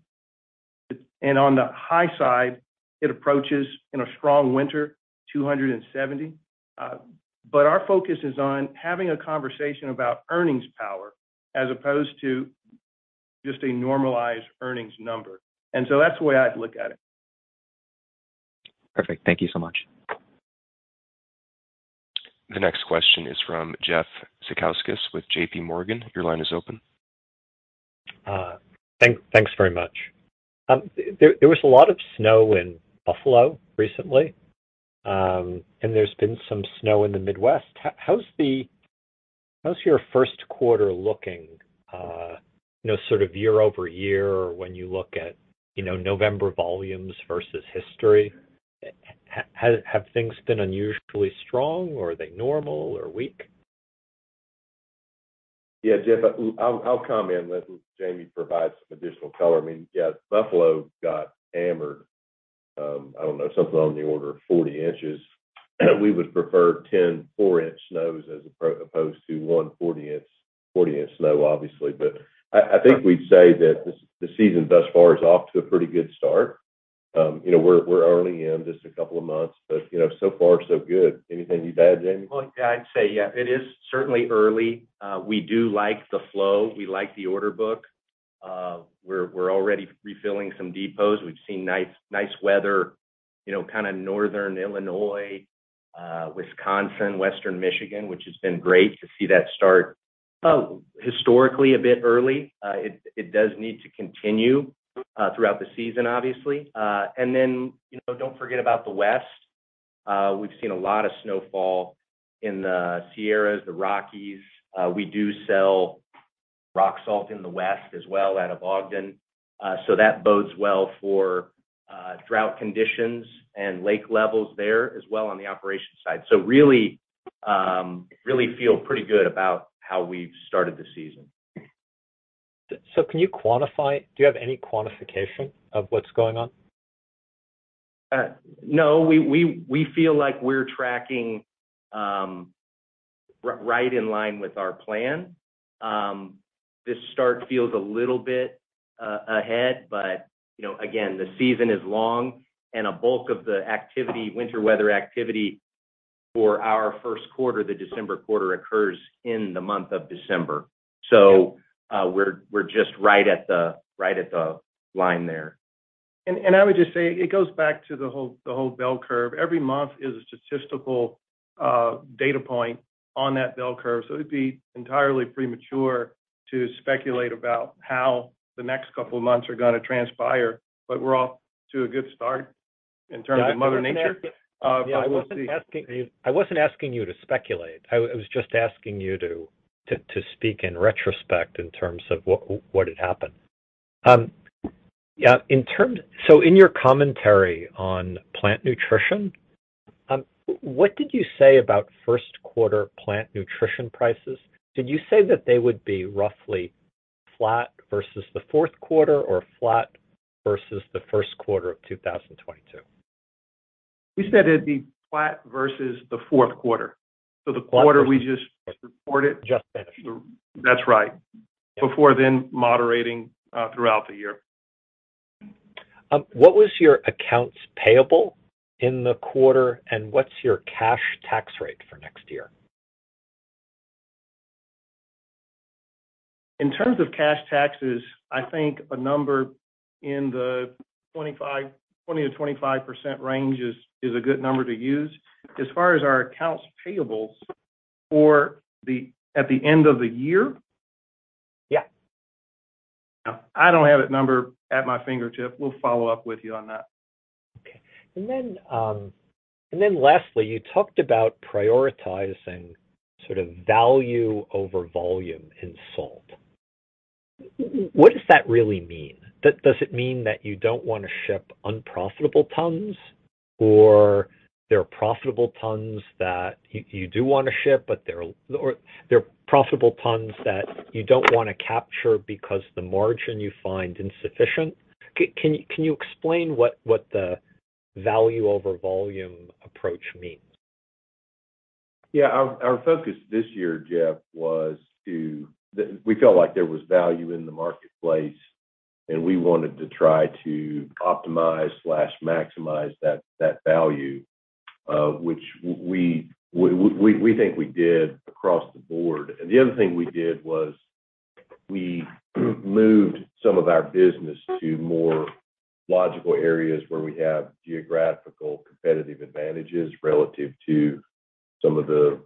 the high side, it approaches, in a strong winter, $270. Our focus is on having a conversation about earnings power as opposed to just a normalized earnings number. That's the way I'd look at it. Perfect. Thank you so much. The next question is from Jeff Zekauskas with JPMorgan. Your line is open. Thanks very much. There was a lot of snow in Buffalo recently, and there's been some snow in the Midwest. How's your first quarter looking, you know, sort of year-over-year or when you look at, you know, November volumes versus history? Have things been unusually strong or are they normal or weak? Yeah, Jeff, I'll comment and let Jamie provide some additional color. I mean, yeah, Buffalo got hammered, I don't know, something on the order of 40 inches. We would prefer 10 4-inch snows as opposed to one 40-inch snow, obviously. I think we'd say that the season thus far is off to a pretty good start. You know, we're early in, just a couple of months. You know, so far so good. Anything to add, Jamie? Yeah, I'd say, yeah, it is certainly early. We do like the flow. We like the order book. We're already refilling some depots. We've seen nice weather, you know, kind of northern Illinois, Wisconsin, Western Michigan, which has been great to see that start, historically a bit early. It does need to continue throughout the season, obviously. Then, you know, don't forget about the West. We've seen a lot of snowfall in the Sierras, the Rockies. We do sell rock salt in the West as well out of Ogden, so that bodes well for drought conditions and lake levels there as well on the operations side. Really feel pretty good about how we've started the season. Do you have any quantification of what's going on? No. We feel like we're tracking right in line with our plan. This start feels a little bit ahead, you know, again, the season is long, and a bulk of the activity, winter weather activity for our first quarter, the December quarter, occurs in the month of December. We're just right at the line there. I would just say it goes back to the whole bell curve. Every month is a statistical data point on that bell curve, so it'd be entirely premature to speculate about how the next couple months are gonna transpire. We're off to a good start in terms of Mother Nature. We'll see. I wasn't asking you to speculate. I was just asking you to speak in retrospect in terms of what had happened. In your commentary on plant nutrition, what did you say about first quarter plant nutrition prices? Did you say that they would be roughly flat versus the fourth quarter or flat versus the first quarter of 2022? We said it'd be flat versus the fourth quarter. The quarter we just reported. Just finished. That's right. Before then moderating throughout the year. What was your accounts payable in the quarter, and what's your cash tax rate for next year? In terms of cash taxes, I think a number in the 20%-25% range is a good number to use. As far as our accounts payables at the end of the year? Yeah. I don't have that number at my fingertip. We'll follow up with you on that. Okay. Lastly, you talked about prioritizing sort of value over volume in salt. What does that really mean? Does it mean that you don't wanna ship unprofitable tons, or they're profitable tons that you do wanna ship, but they're or they're profitable tons that you don't wanna capture because the margin you find insufficient? Can you explain what the value over volume approach means. Yeah. Our focus this year, Jeff, was to. We felt like there was value in the marketplace, and we wanted to try to optimize/maximize that value, which we think we did across the board. The other thing we did was we moved some of our business to more logical areas where we have geographical competitive advantages relative to some of the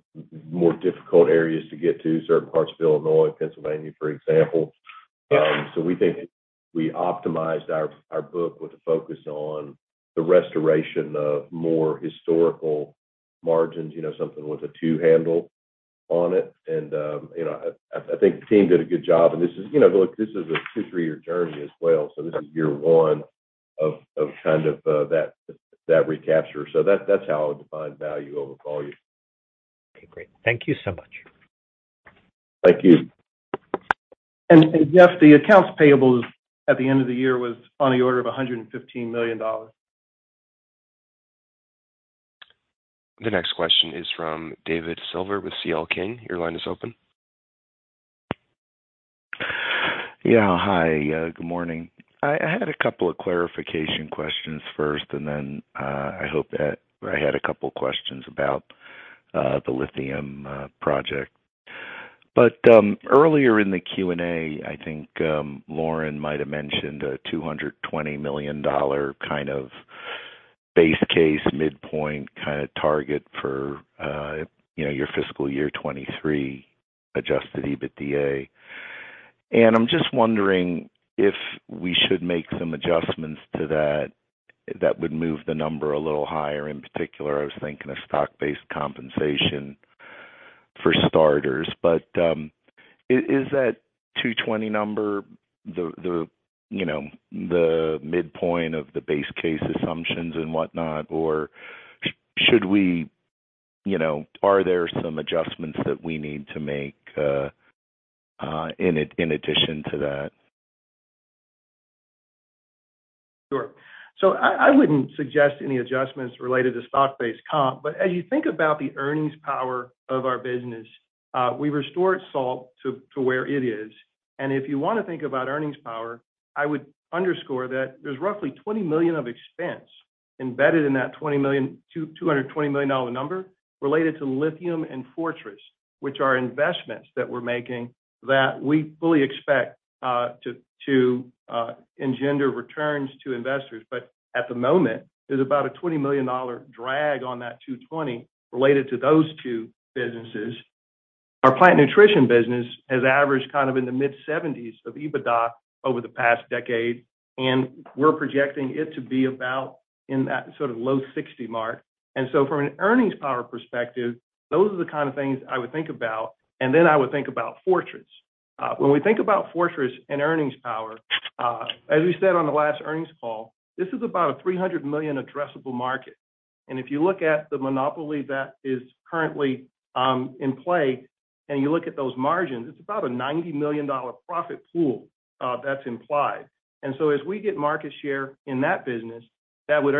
more difficult areas to get to, certain parts of Illinois and Pennsylvania, for example. So we think we optimized our book with a focus on the restoration of more historical margins, you know, something with a two handle on it. You know, I think the team did a good job, and this is. You know, look, this is a two, three-year journey as well. So this is year one of kind of that recapture. That's how I would define value over volume. Okay, great. Thank you so much. Thank you. Jeff, the accounts payables at the end of the year was on the order of $115 million. The next question is from David Silver with C.L. King. Your line is open. Hi, good morning. I had a couple of clarification questions first, and then I had a couple questions about the lithium project. Earlier in the Q&A, I think Lorin might have mentioned a $220 million kind of base case midpoint kind of target for, you know, your fiscal year 2023 adjusted EBITDA. I'm just wondering if we should make some adjustments to that would move the number a little higher. In particular, I was thinking of stock-based compensation for starters. Is that $220 number the, you know, the midpoint of the base case assumptions and whatnot? Should we, you know, are there some adjustments that we need to make in addition to that? Sure. I wouldn't suggest any adjustments related to stock-based comp. As you think about the earnings power of our business, we restored salt to where it is. If you wanna think about earnings power, I would underscore that there's roughly $20 million of expense embedded in that $220 million number related to lithium and Fortress, which are investments that we're making that we fully expect to engender returns to investors. At the moment, there's about a $20 million drag on that $220 related to those two businesses. Our plant nutrition business has averaged kind of in the mid-70s of EBITDA over the past decade, and we're projecting it to be about in that sort of low 60 mark. From an earnings power perspective, those are the kind of things I would think about, and then I would think about Fortress. When we think about Fortress and earnings power, as we said on the last earnings call, this is about a $300 million addressable market. If you look at the monopoly that is currently, in play, and you look at those margins, it's about a $90 million profit pool, that's implied. As we get market share in that business, that would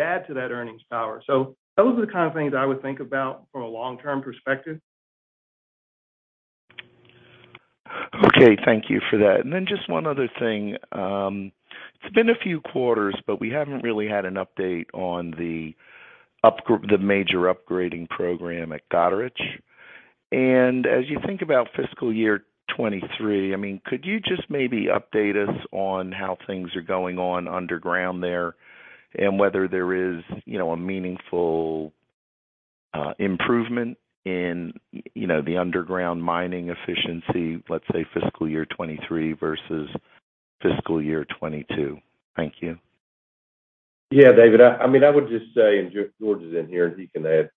add to that earnings power. Those are the kind of things I would think about from a long-term perspective. Okay. Thank you for that. Then just one other thing. It's been a few quarters, but we haven't really had an update on the major upgrading program at Goderich. As you think about fiscal year 2023, I mean, could you just maybe update us on how things are going on underground there and whether there is, you know, a meaningful improvement in, you know, the underground mining efficiency, let's say fiscal year 2023 versus fiscal year 2022? Thank you. David. I mean, I would just say George is in here, he can add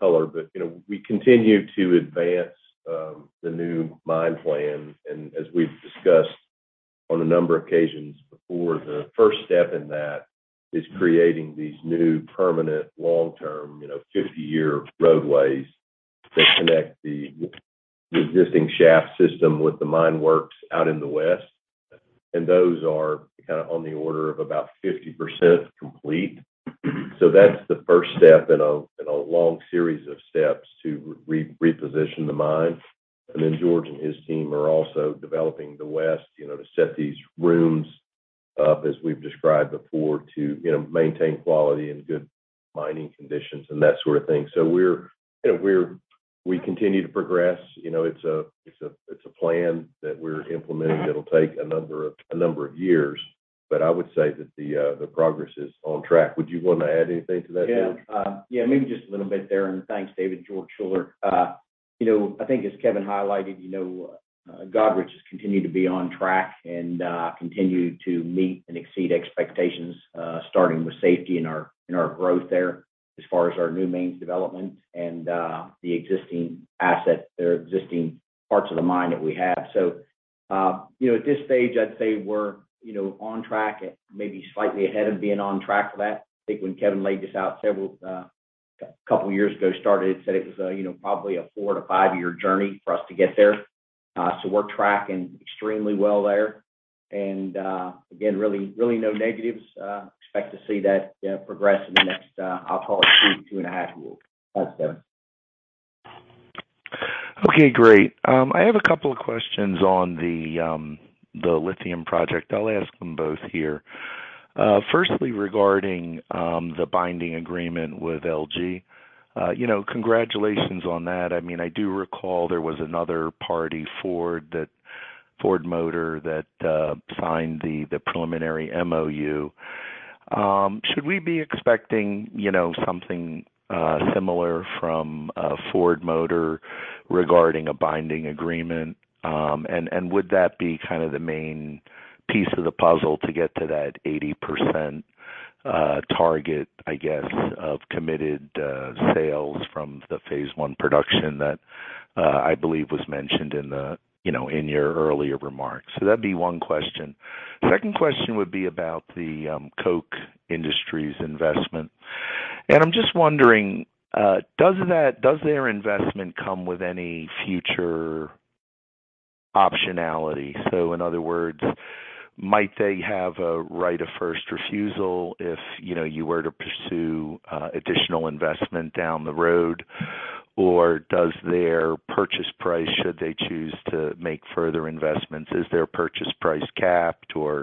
color. You know, we continue to advance the new mine plan. As we've discussed on a number of occasions before, the first step in that is creating these new permanent long-term, you know, 50-year roadways that connect the existing shaft system with the mine works out in the west. Those are kinda on the order of about 50% complete. That's the first step in a long series of steps to reposition the mine. George and his team are also developing the west, you know, to set these rooms up as we've described before to, you know, maintain quality and good mining conditions and that sort of thing. We're, you know, we continue to progress. You know, it's a plan that we're implementing that'll take a number of years. I would say that the progress is on track. Would you wanna add anything to that, George? Yeah, maybe just a little bit there, and thanks, David. George Schuller. You know, I think as Kevin highlighted, you know, Goderich has continued to be on track and continued to meet and exceed expectations, starting with safety in our growth there as far as our new mains development and the existing asset or existing parts of the mine that we have. You know, at this stage, I'd say we're, you know, on track and maybe slightly ahead of being on track for that. I think when Kevin laid this out several, a couple years ago starting, he said it was, you know, probably a four to five-year journey for us to get there. We're tracking extremely well there. Again, really no negatives. Expect to see that progress in the next, I'll call it two and a half weeks. That's it. Okay, great. I have a couple of questions on the lithium project. I'll ask them both here. Firstly, regarding the binding agreement with LG. You know, congratulations on that. I mean, I do recall there was another party, Ford, that Ford Motor that signed the preliminary MOU. Should we be expecting, you know, something similar from Ford Motor regarding a binding agreement? Would that be kind of the main piece of the puzzle to get to that 80% target, I guess, of committed sales from the phase one production that I believe was mentioned in the, you know, in your earlier remarks? That'd be one question. Second question would be about the Koch Industries investment. I'm just wondering, does their investment come with any future optionality? In other words, might they have a right of first refusal if, you know, you were to pursue additional investment down the road? Does their purchase price, should they choose to make further investments, is their purchase price capped? You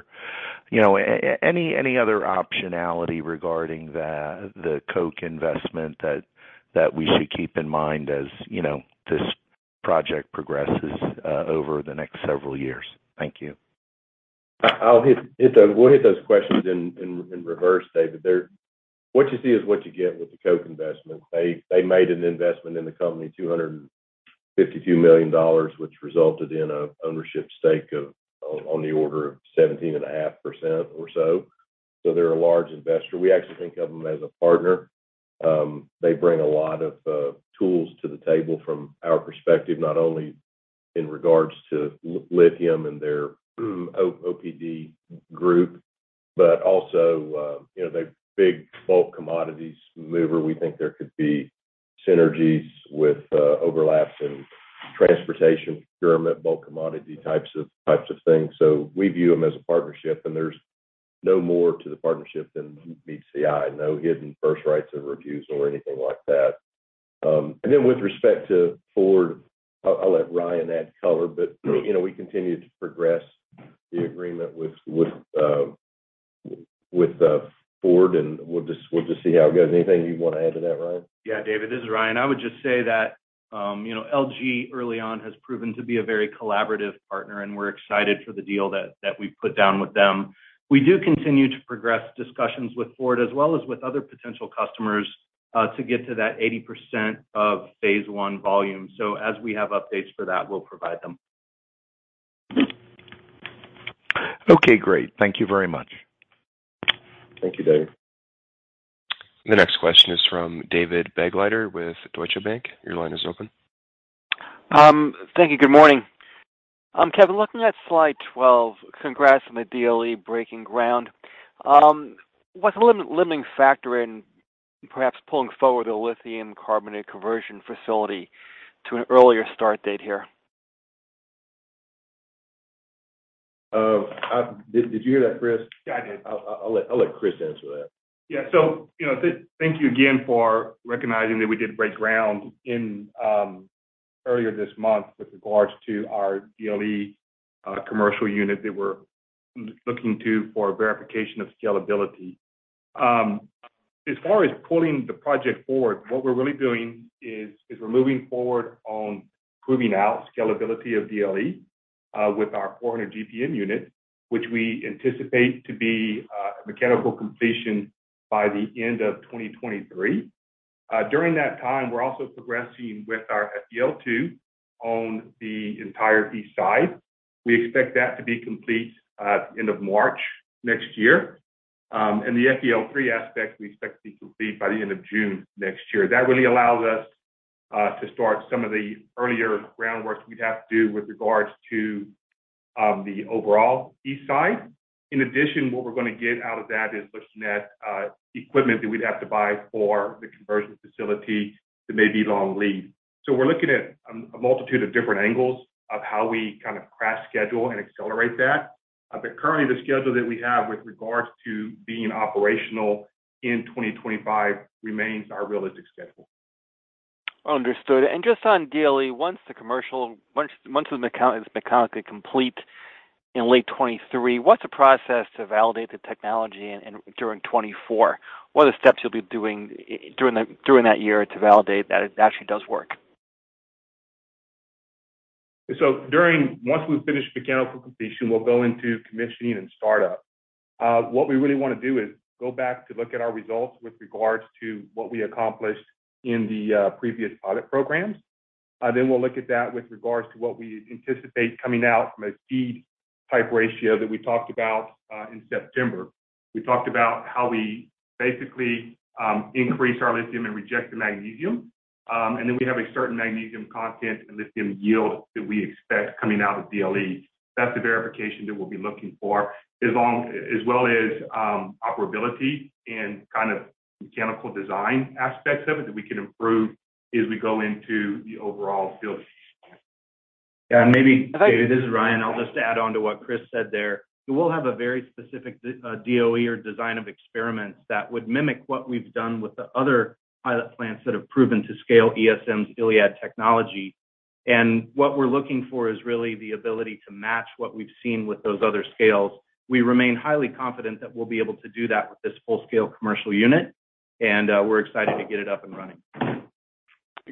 know, any other optionality regarding the Koch investment that we should keep in mind as, you know, this project progresses over the next several years? Thank you. We'll hit those questions in reverse, David. What you see is what you get with the Koch investment. They made an investment in the company, $252 million, which resulted in a ownership stake of, on the order of 17.5% or so. They're a large investor. We actually think of them as a partner. They bring a lot of tools to the table from our perspective, not only in regards to lithium and their OPD group, but also, you know, the big bulk commodities mover. We think there could be synergies with overlaps in transportation, procurement, bulk commodity types of things. We view them as a partnership, and there's no more to the partnership than meets the eye. No hidden first rights of refusal or anything like that. With respect to Ford, I'll let Ryan add color, but, you know, we continue to progress the agreement with Ford, and we'll just see how it goes. Anything you want to add to that, Ryan? Yeah. David, this is Ryan. I would just say that, you know, LG early on has proven to be a very collaborative partner, and we're excited for the deal that we've put down with them. We do continue to progress discussions with Ford as well as with other potential customers, to get to that 80% of phase one volume. As we have updates for that, we'll provide them. Okay, great. Thank you very much. Thank you, David. The next question is from David Begleiter with Deutsche Bank. Your line is open. Thank you. Good morning. Kevin, looking at slide 12, congrats on the DLE breaking ground. What's the limiting factor in perhaps pulling forward the lithium carbonate conversion facility to an earlier start date here? Did you hear that, Chris? Yeah, I did. I'll let Chris answer that. You know, thank you again for recognizing that we did break ground in earlier this month with regards to our DLE commercial unit that we're looking to for verification of scalability. As far as pulling the project forward, what we're really doing is we're moving forward on proving out scalability of DLE with our 400 GPM unit, which we anticipate to be mechanical completion by the end of 2023. During that time, we're also progressing with our FEL-2 on the entire east side. We expect that to be complete at end of March next year. The FEL-3 aspect we expect to be complete by the end of June next year. That really allows us to start some of the earlier groundwork we'd have to do with regards to the overall east side. What we're gonna get out of that is looking at equipment that we'd have to buy for the conversion facility that may be long lead. We're looking at a multitude of different angles of how we kind of crash schedule and accelerate that. Currently, the schedule that we have with regards to being operational in 2025 remains our realistic schedule. Understood. Just on DLE, once the mechanical is mechanically complete in late 2023, what's the process to validate the technology in, during 2024? What are the steps you'll be doing during that year to validate that it actually does work? Once we finish mechanical completion, we'll go into commissioning and startup. What we really want to do is go back to look at our results with regards to what we accomplished in the previous pilot programs. We'll look at that with regards to what we anticipate coming out from a feed type ratio that we talked about in September. We talked about how we basically increase our lithium and reject the magnesium. We have a certain magnesium content and lithium yield that we expect coming out of DLE. That's the verification that we'll be looking for, as well as operability and kind of mechanical design aspects of it that we can improve as we go into the overall field. Yeah, maybe this is Ryan. I'll just add on to what Chris said there. We will have a very specific DOE or Design of Experiments that would mimic what we've done with the other pilot plants that have proven to scale ESM's ILiAD technology. What we're looking for is really the ability to match what we've seen with those other scales. We remain highly confident that we'll be able to do that with this full-scale commercial unit, and we're excited to get it up and running.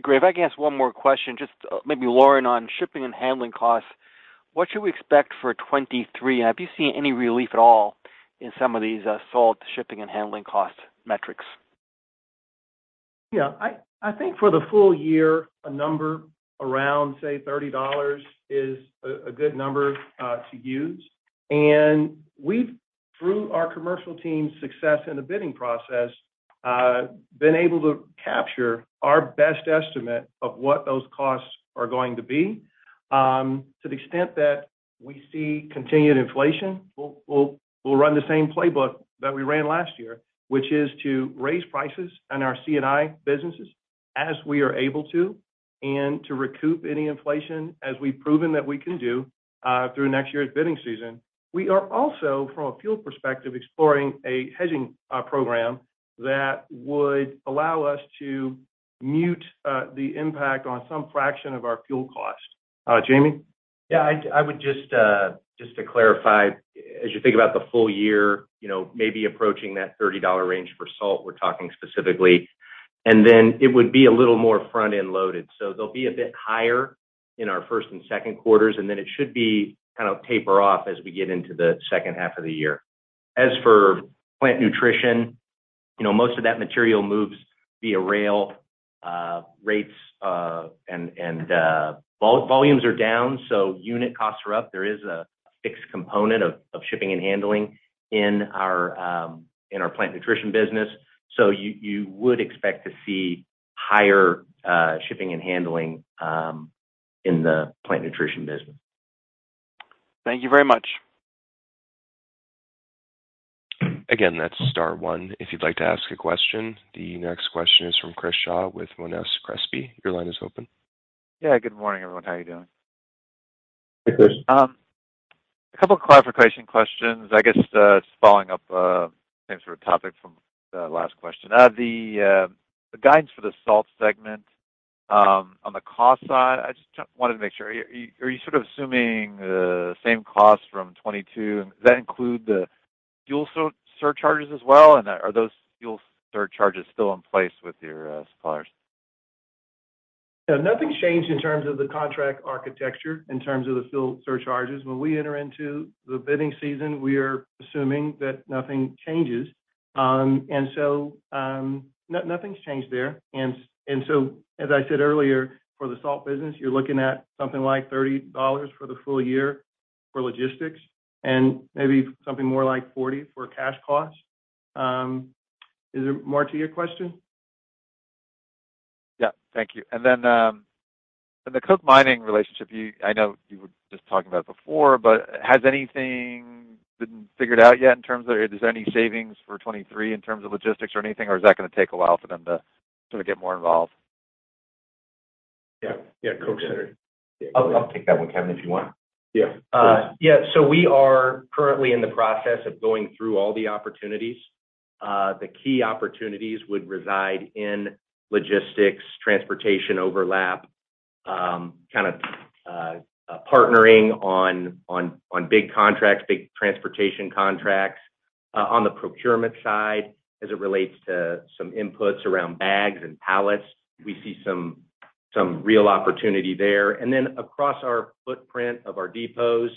Great. If I can ask one more question, just, maybe Lorin, on shipping and handling costs, what should we expect for 2023? Have you seen any relief at all in some of these, salt shipping and handling cost metrics? Yeah, I think for the full year, a number around, say, $30 is a good number to use. And we've, through our commercial team's success in the bidding process, been able to capture our best estimate of what those costs are going to be. To the extent that we see continued inflation, we'll run the same playbook that we ran last year, which is to raise prices on our C&I businesses as we are able to and to recoup any inflation as we've proven that we can do through next year's bidding season. We are also, from a fuel perspective, exploring a hedging program that would allow us to mute the impact on some fraction of our fuel cost. Jamie? Yeah, I would just to clarify, as you think about the full year, you know, maybe approaching that $30 range for salt, we're talking specifically. It would be a little more front-end loaded. They'll be a bit higher in our first and second quarters, and then it should be kind of taper off as we get into the second half of the year. For plant nutrition, you know, most of that material moves via rail, rates, and volumes are down, so unit costs are up. There is a fixed component of shipping and handling in our plant nutrition business. You would expect to see higher shipping and handling in the plant nutrition business. Thank you very much. Again, that's star one if you'd like to ask a question. The next question is from Chris Shaw with Monness, Crespi. Your line is open. Yeah. Good morning, everyone. How are you doing? Hey, Chris. A couple clarification questions. I guess, just following up, same sort of topic from the last question. The guidance for the salt segment, on the cost side, I just wanted to make sure, are you sort of assuming the same cost from 2022? Does that include the fuel surcharges as well? Are those fuel surcharges still in place with your suppliers? No, nothing's changed in terms of the contract architecture, in terms of the fuel surcharges. When we enter into the bidding season, we are assuming that nothing changes. Nothing's changed there. As I said earlier, for the salt business, you're looking at something like $30 for the full year for logistics and maybe something more like $40 for cash costs. Is there more to your question? Yeah. Thank you. Then, in the Koch mining relationship, I know you were just talking about it before, but has anything been figured out yet in terms of are there any savings for 2023 in terms of logistics or anything, or is that gonna take a while for them to get more involved? Yeah. Yeah. Koch. I'll take that one, Kevin, if you want. Yeah. Yeah. We are currently in the process of going through all the opportunities. The key opportunities would reside in logistics, transportation overlap, kinda partnering on big contracts, big transportation contracts. On the procurement side, as it relates to some inputs around bags and pallets, we see some real opportunity there. Across our footprint of our depots,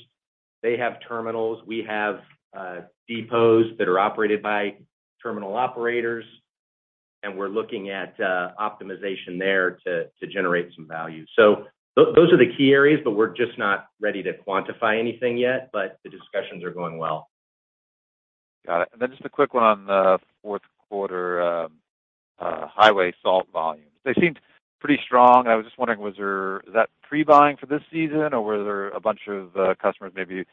they have terminals. We have depots that are operated by terminal operators, and we're looking at optimization there to generate some value. Those are the key areas, but we're just not ready to quantify anything yet. The discussions are going well. Got it. Then just a quick one on the fourth quarter, highway salt volumes. They seemed pretty strong. I was just wondering, is that pre-buying for this season, or were there a bunch of customers maybe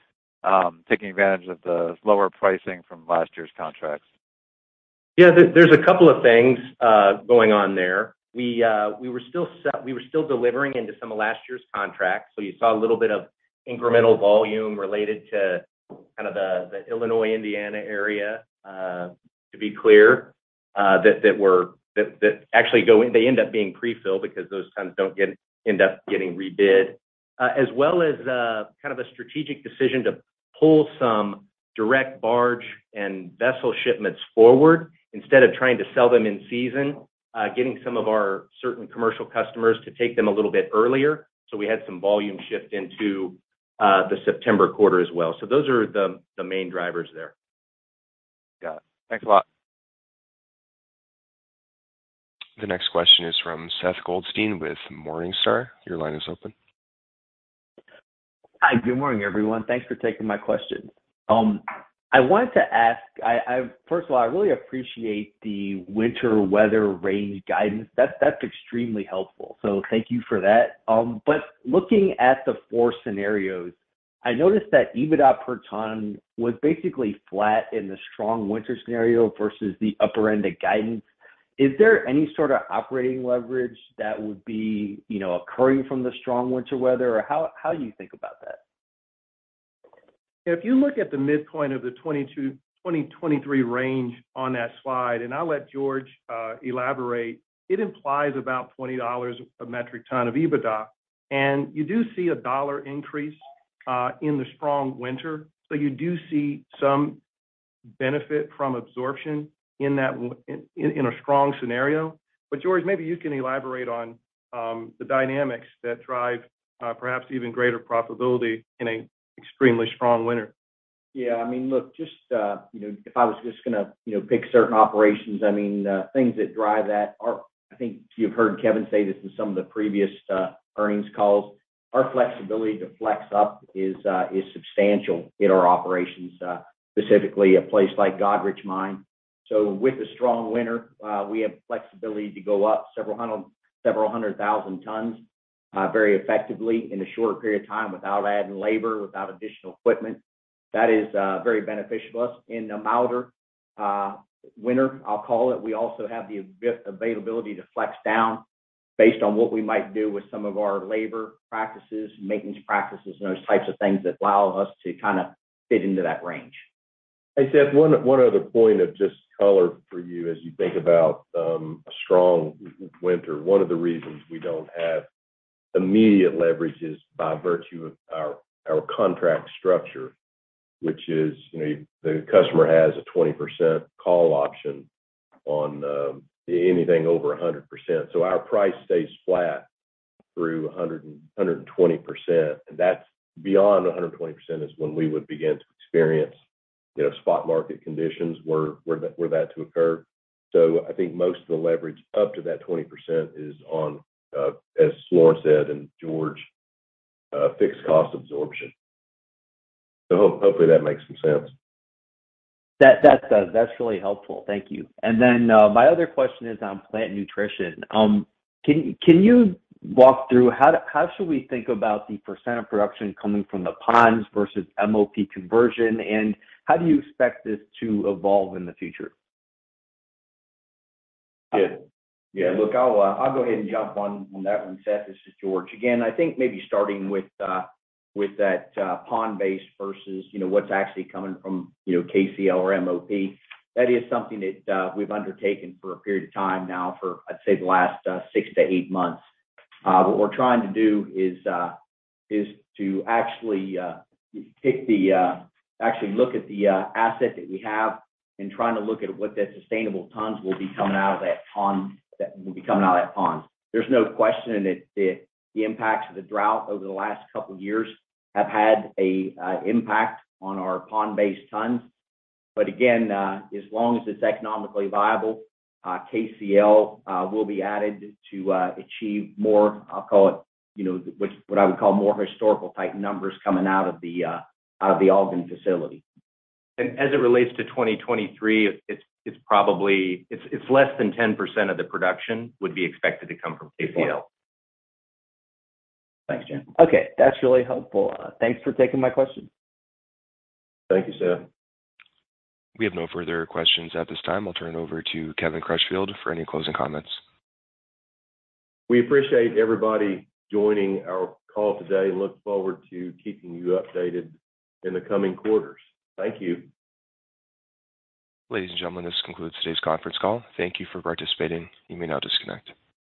taking advantage of the lower pricing from last year's contracts? There's a couple of things going on there. We were still delivering into some of last year's contracts. You saw a little bit of incremental volume related to kind of the Illinois-Indiana area, to be clear, that actually go in. They end up being pre-filled because those tons don't end up getting rebid. As well as kind of a strategic decision to pull some direct barge and vessel shipments forward instead of trying to sell them in season, getting some of our certain commercial customers to take them a little bit earlier. We had some volume shift into the September quarter as well. Those are the main drivers there. Got it. Thanks a lot. The next question is from Seth Goldstein with Morningstar. Your line is open. Hi. Good morning, everyone. Thanks for taking my question. I wanted to ask, first of all, I really appreciate the winter weather range guidance. That's extremely helpful. Thank you for that. Looking at the four scenarios, I noticed that EBITDA per ton was basically flat in the strong winter scenario versus the upper end of guidance. Is there any sort of operating leverage that would be, you know, occurring from the strong winter weather? how do you think about that? If you look at the midpoint of the 2022-2023 range on that slide, I'll let George elaborate, it implies about $20 a metric ton of EBITDA. You do see a dollar increase in the strong winter. You do see some benefit from absorption in that in a strong scenario. George, maybe you can elaborate on the dynamics that drive perhaps even greater profitability in an extremely strong winter. Yeah. I mean, look, just, you know, if I was just gonna, you know, pick certain operations, I mean, things that drive that are. I think you've heard Kevin say this in some of the previous earnings calls. Our flexibility to flex up is substantial in our operations, specifically a place like Goderich mine. With a strong winter, we have flexibility to go up several hundred thousand tons very effectively in a short period of time without adding labor, without additional equipment. That is very beneficial to us. In a milder winter, I'll call it, we also have the availability to flex down based on what we might do with some of our labor practices, maintenance practices, and those types of things that allow us to kind of fit into that range. Hey, Seth, one other point of just color for you as you think about a strong winter. One of the reasons we don't have immediate leverage is by virtue of our contract structure, which is, you know, the customer has a 20% call option on anything over a 100%. Our price stays flat through a 120%. That's beyond the 120% is when we would begin to experience, you know, spot market conditions were that to occur. I think most of the leverage up to that 20% is on as Lorin said and George, fixed cost absorption. Hopefully that makes some sense. That does. That's really helpful. Thank you. My other question is on plant nutrition. Can you walk through how should we think about the % of production coming from the ponds versus MOP conversion, and how do you expect this to evolve in the future? Yeah. Yeah, look, I'll go ahead and jump on that one, Seth. This is George. Again, I think maybe starting with that pond base versus, you know, what's actually coming from, you know, KCl/MOP. That is something that we've undertaken for a period of time now for, I'd say the last six to eight months. What we're trying to do is to actually take the actually look at the asset that we have and trying to look at what that sustainable tons will be coming out of that pond. There's no question that the impacts of the drought over the last couple of years have had a impact on our pond-based tons. Again, as long as it's economically viable, KCl will be added to achieve more, I'll call it, you know, which what I would call more historical type numbers coming out of the Ogden facility. As it relates to 2023, it's probably less than 10% of the production would be expected to come from KCl. Thanks, Jim. Okay. That's really helpful. Thanks for taking my question. Thank you, Seth. We have no further questions at this time. I'll turn it over to Kevin Crutchfield for any closing comments. We appreciate everybody joining our call today. Look forward to keeping you updated in the coming quarters. Thank you. Ladies and gentlemen, this concludes today's conference call. Thank you for participating. You may now disconnect.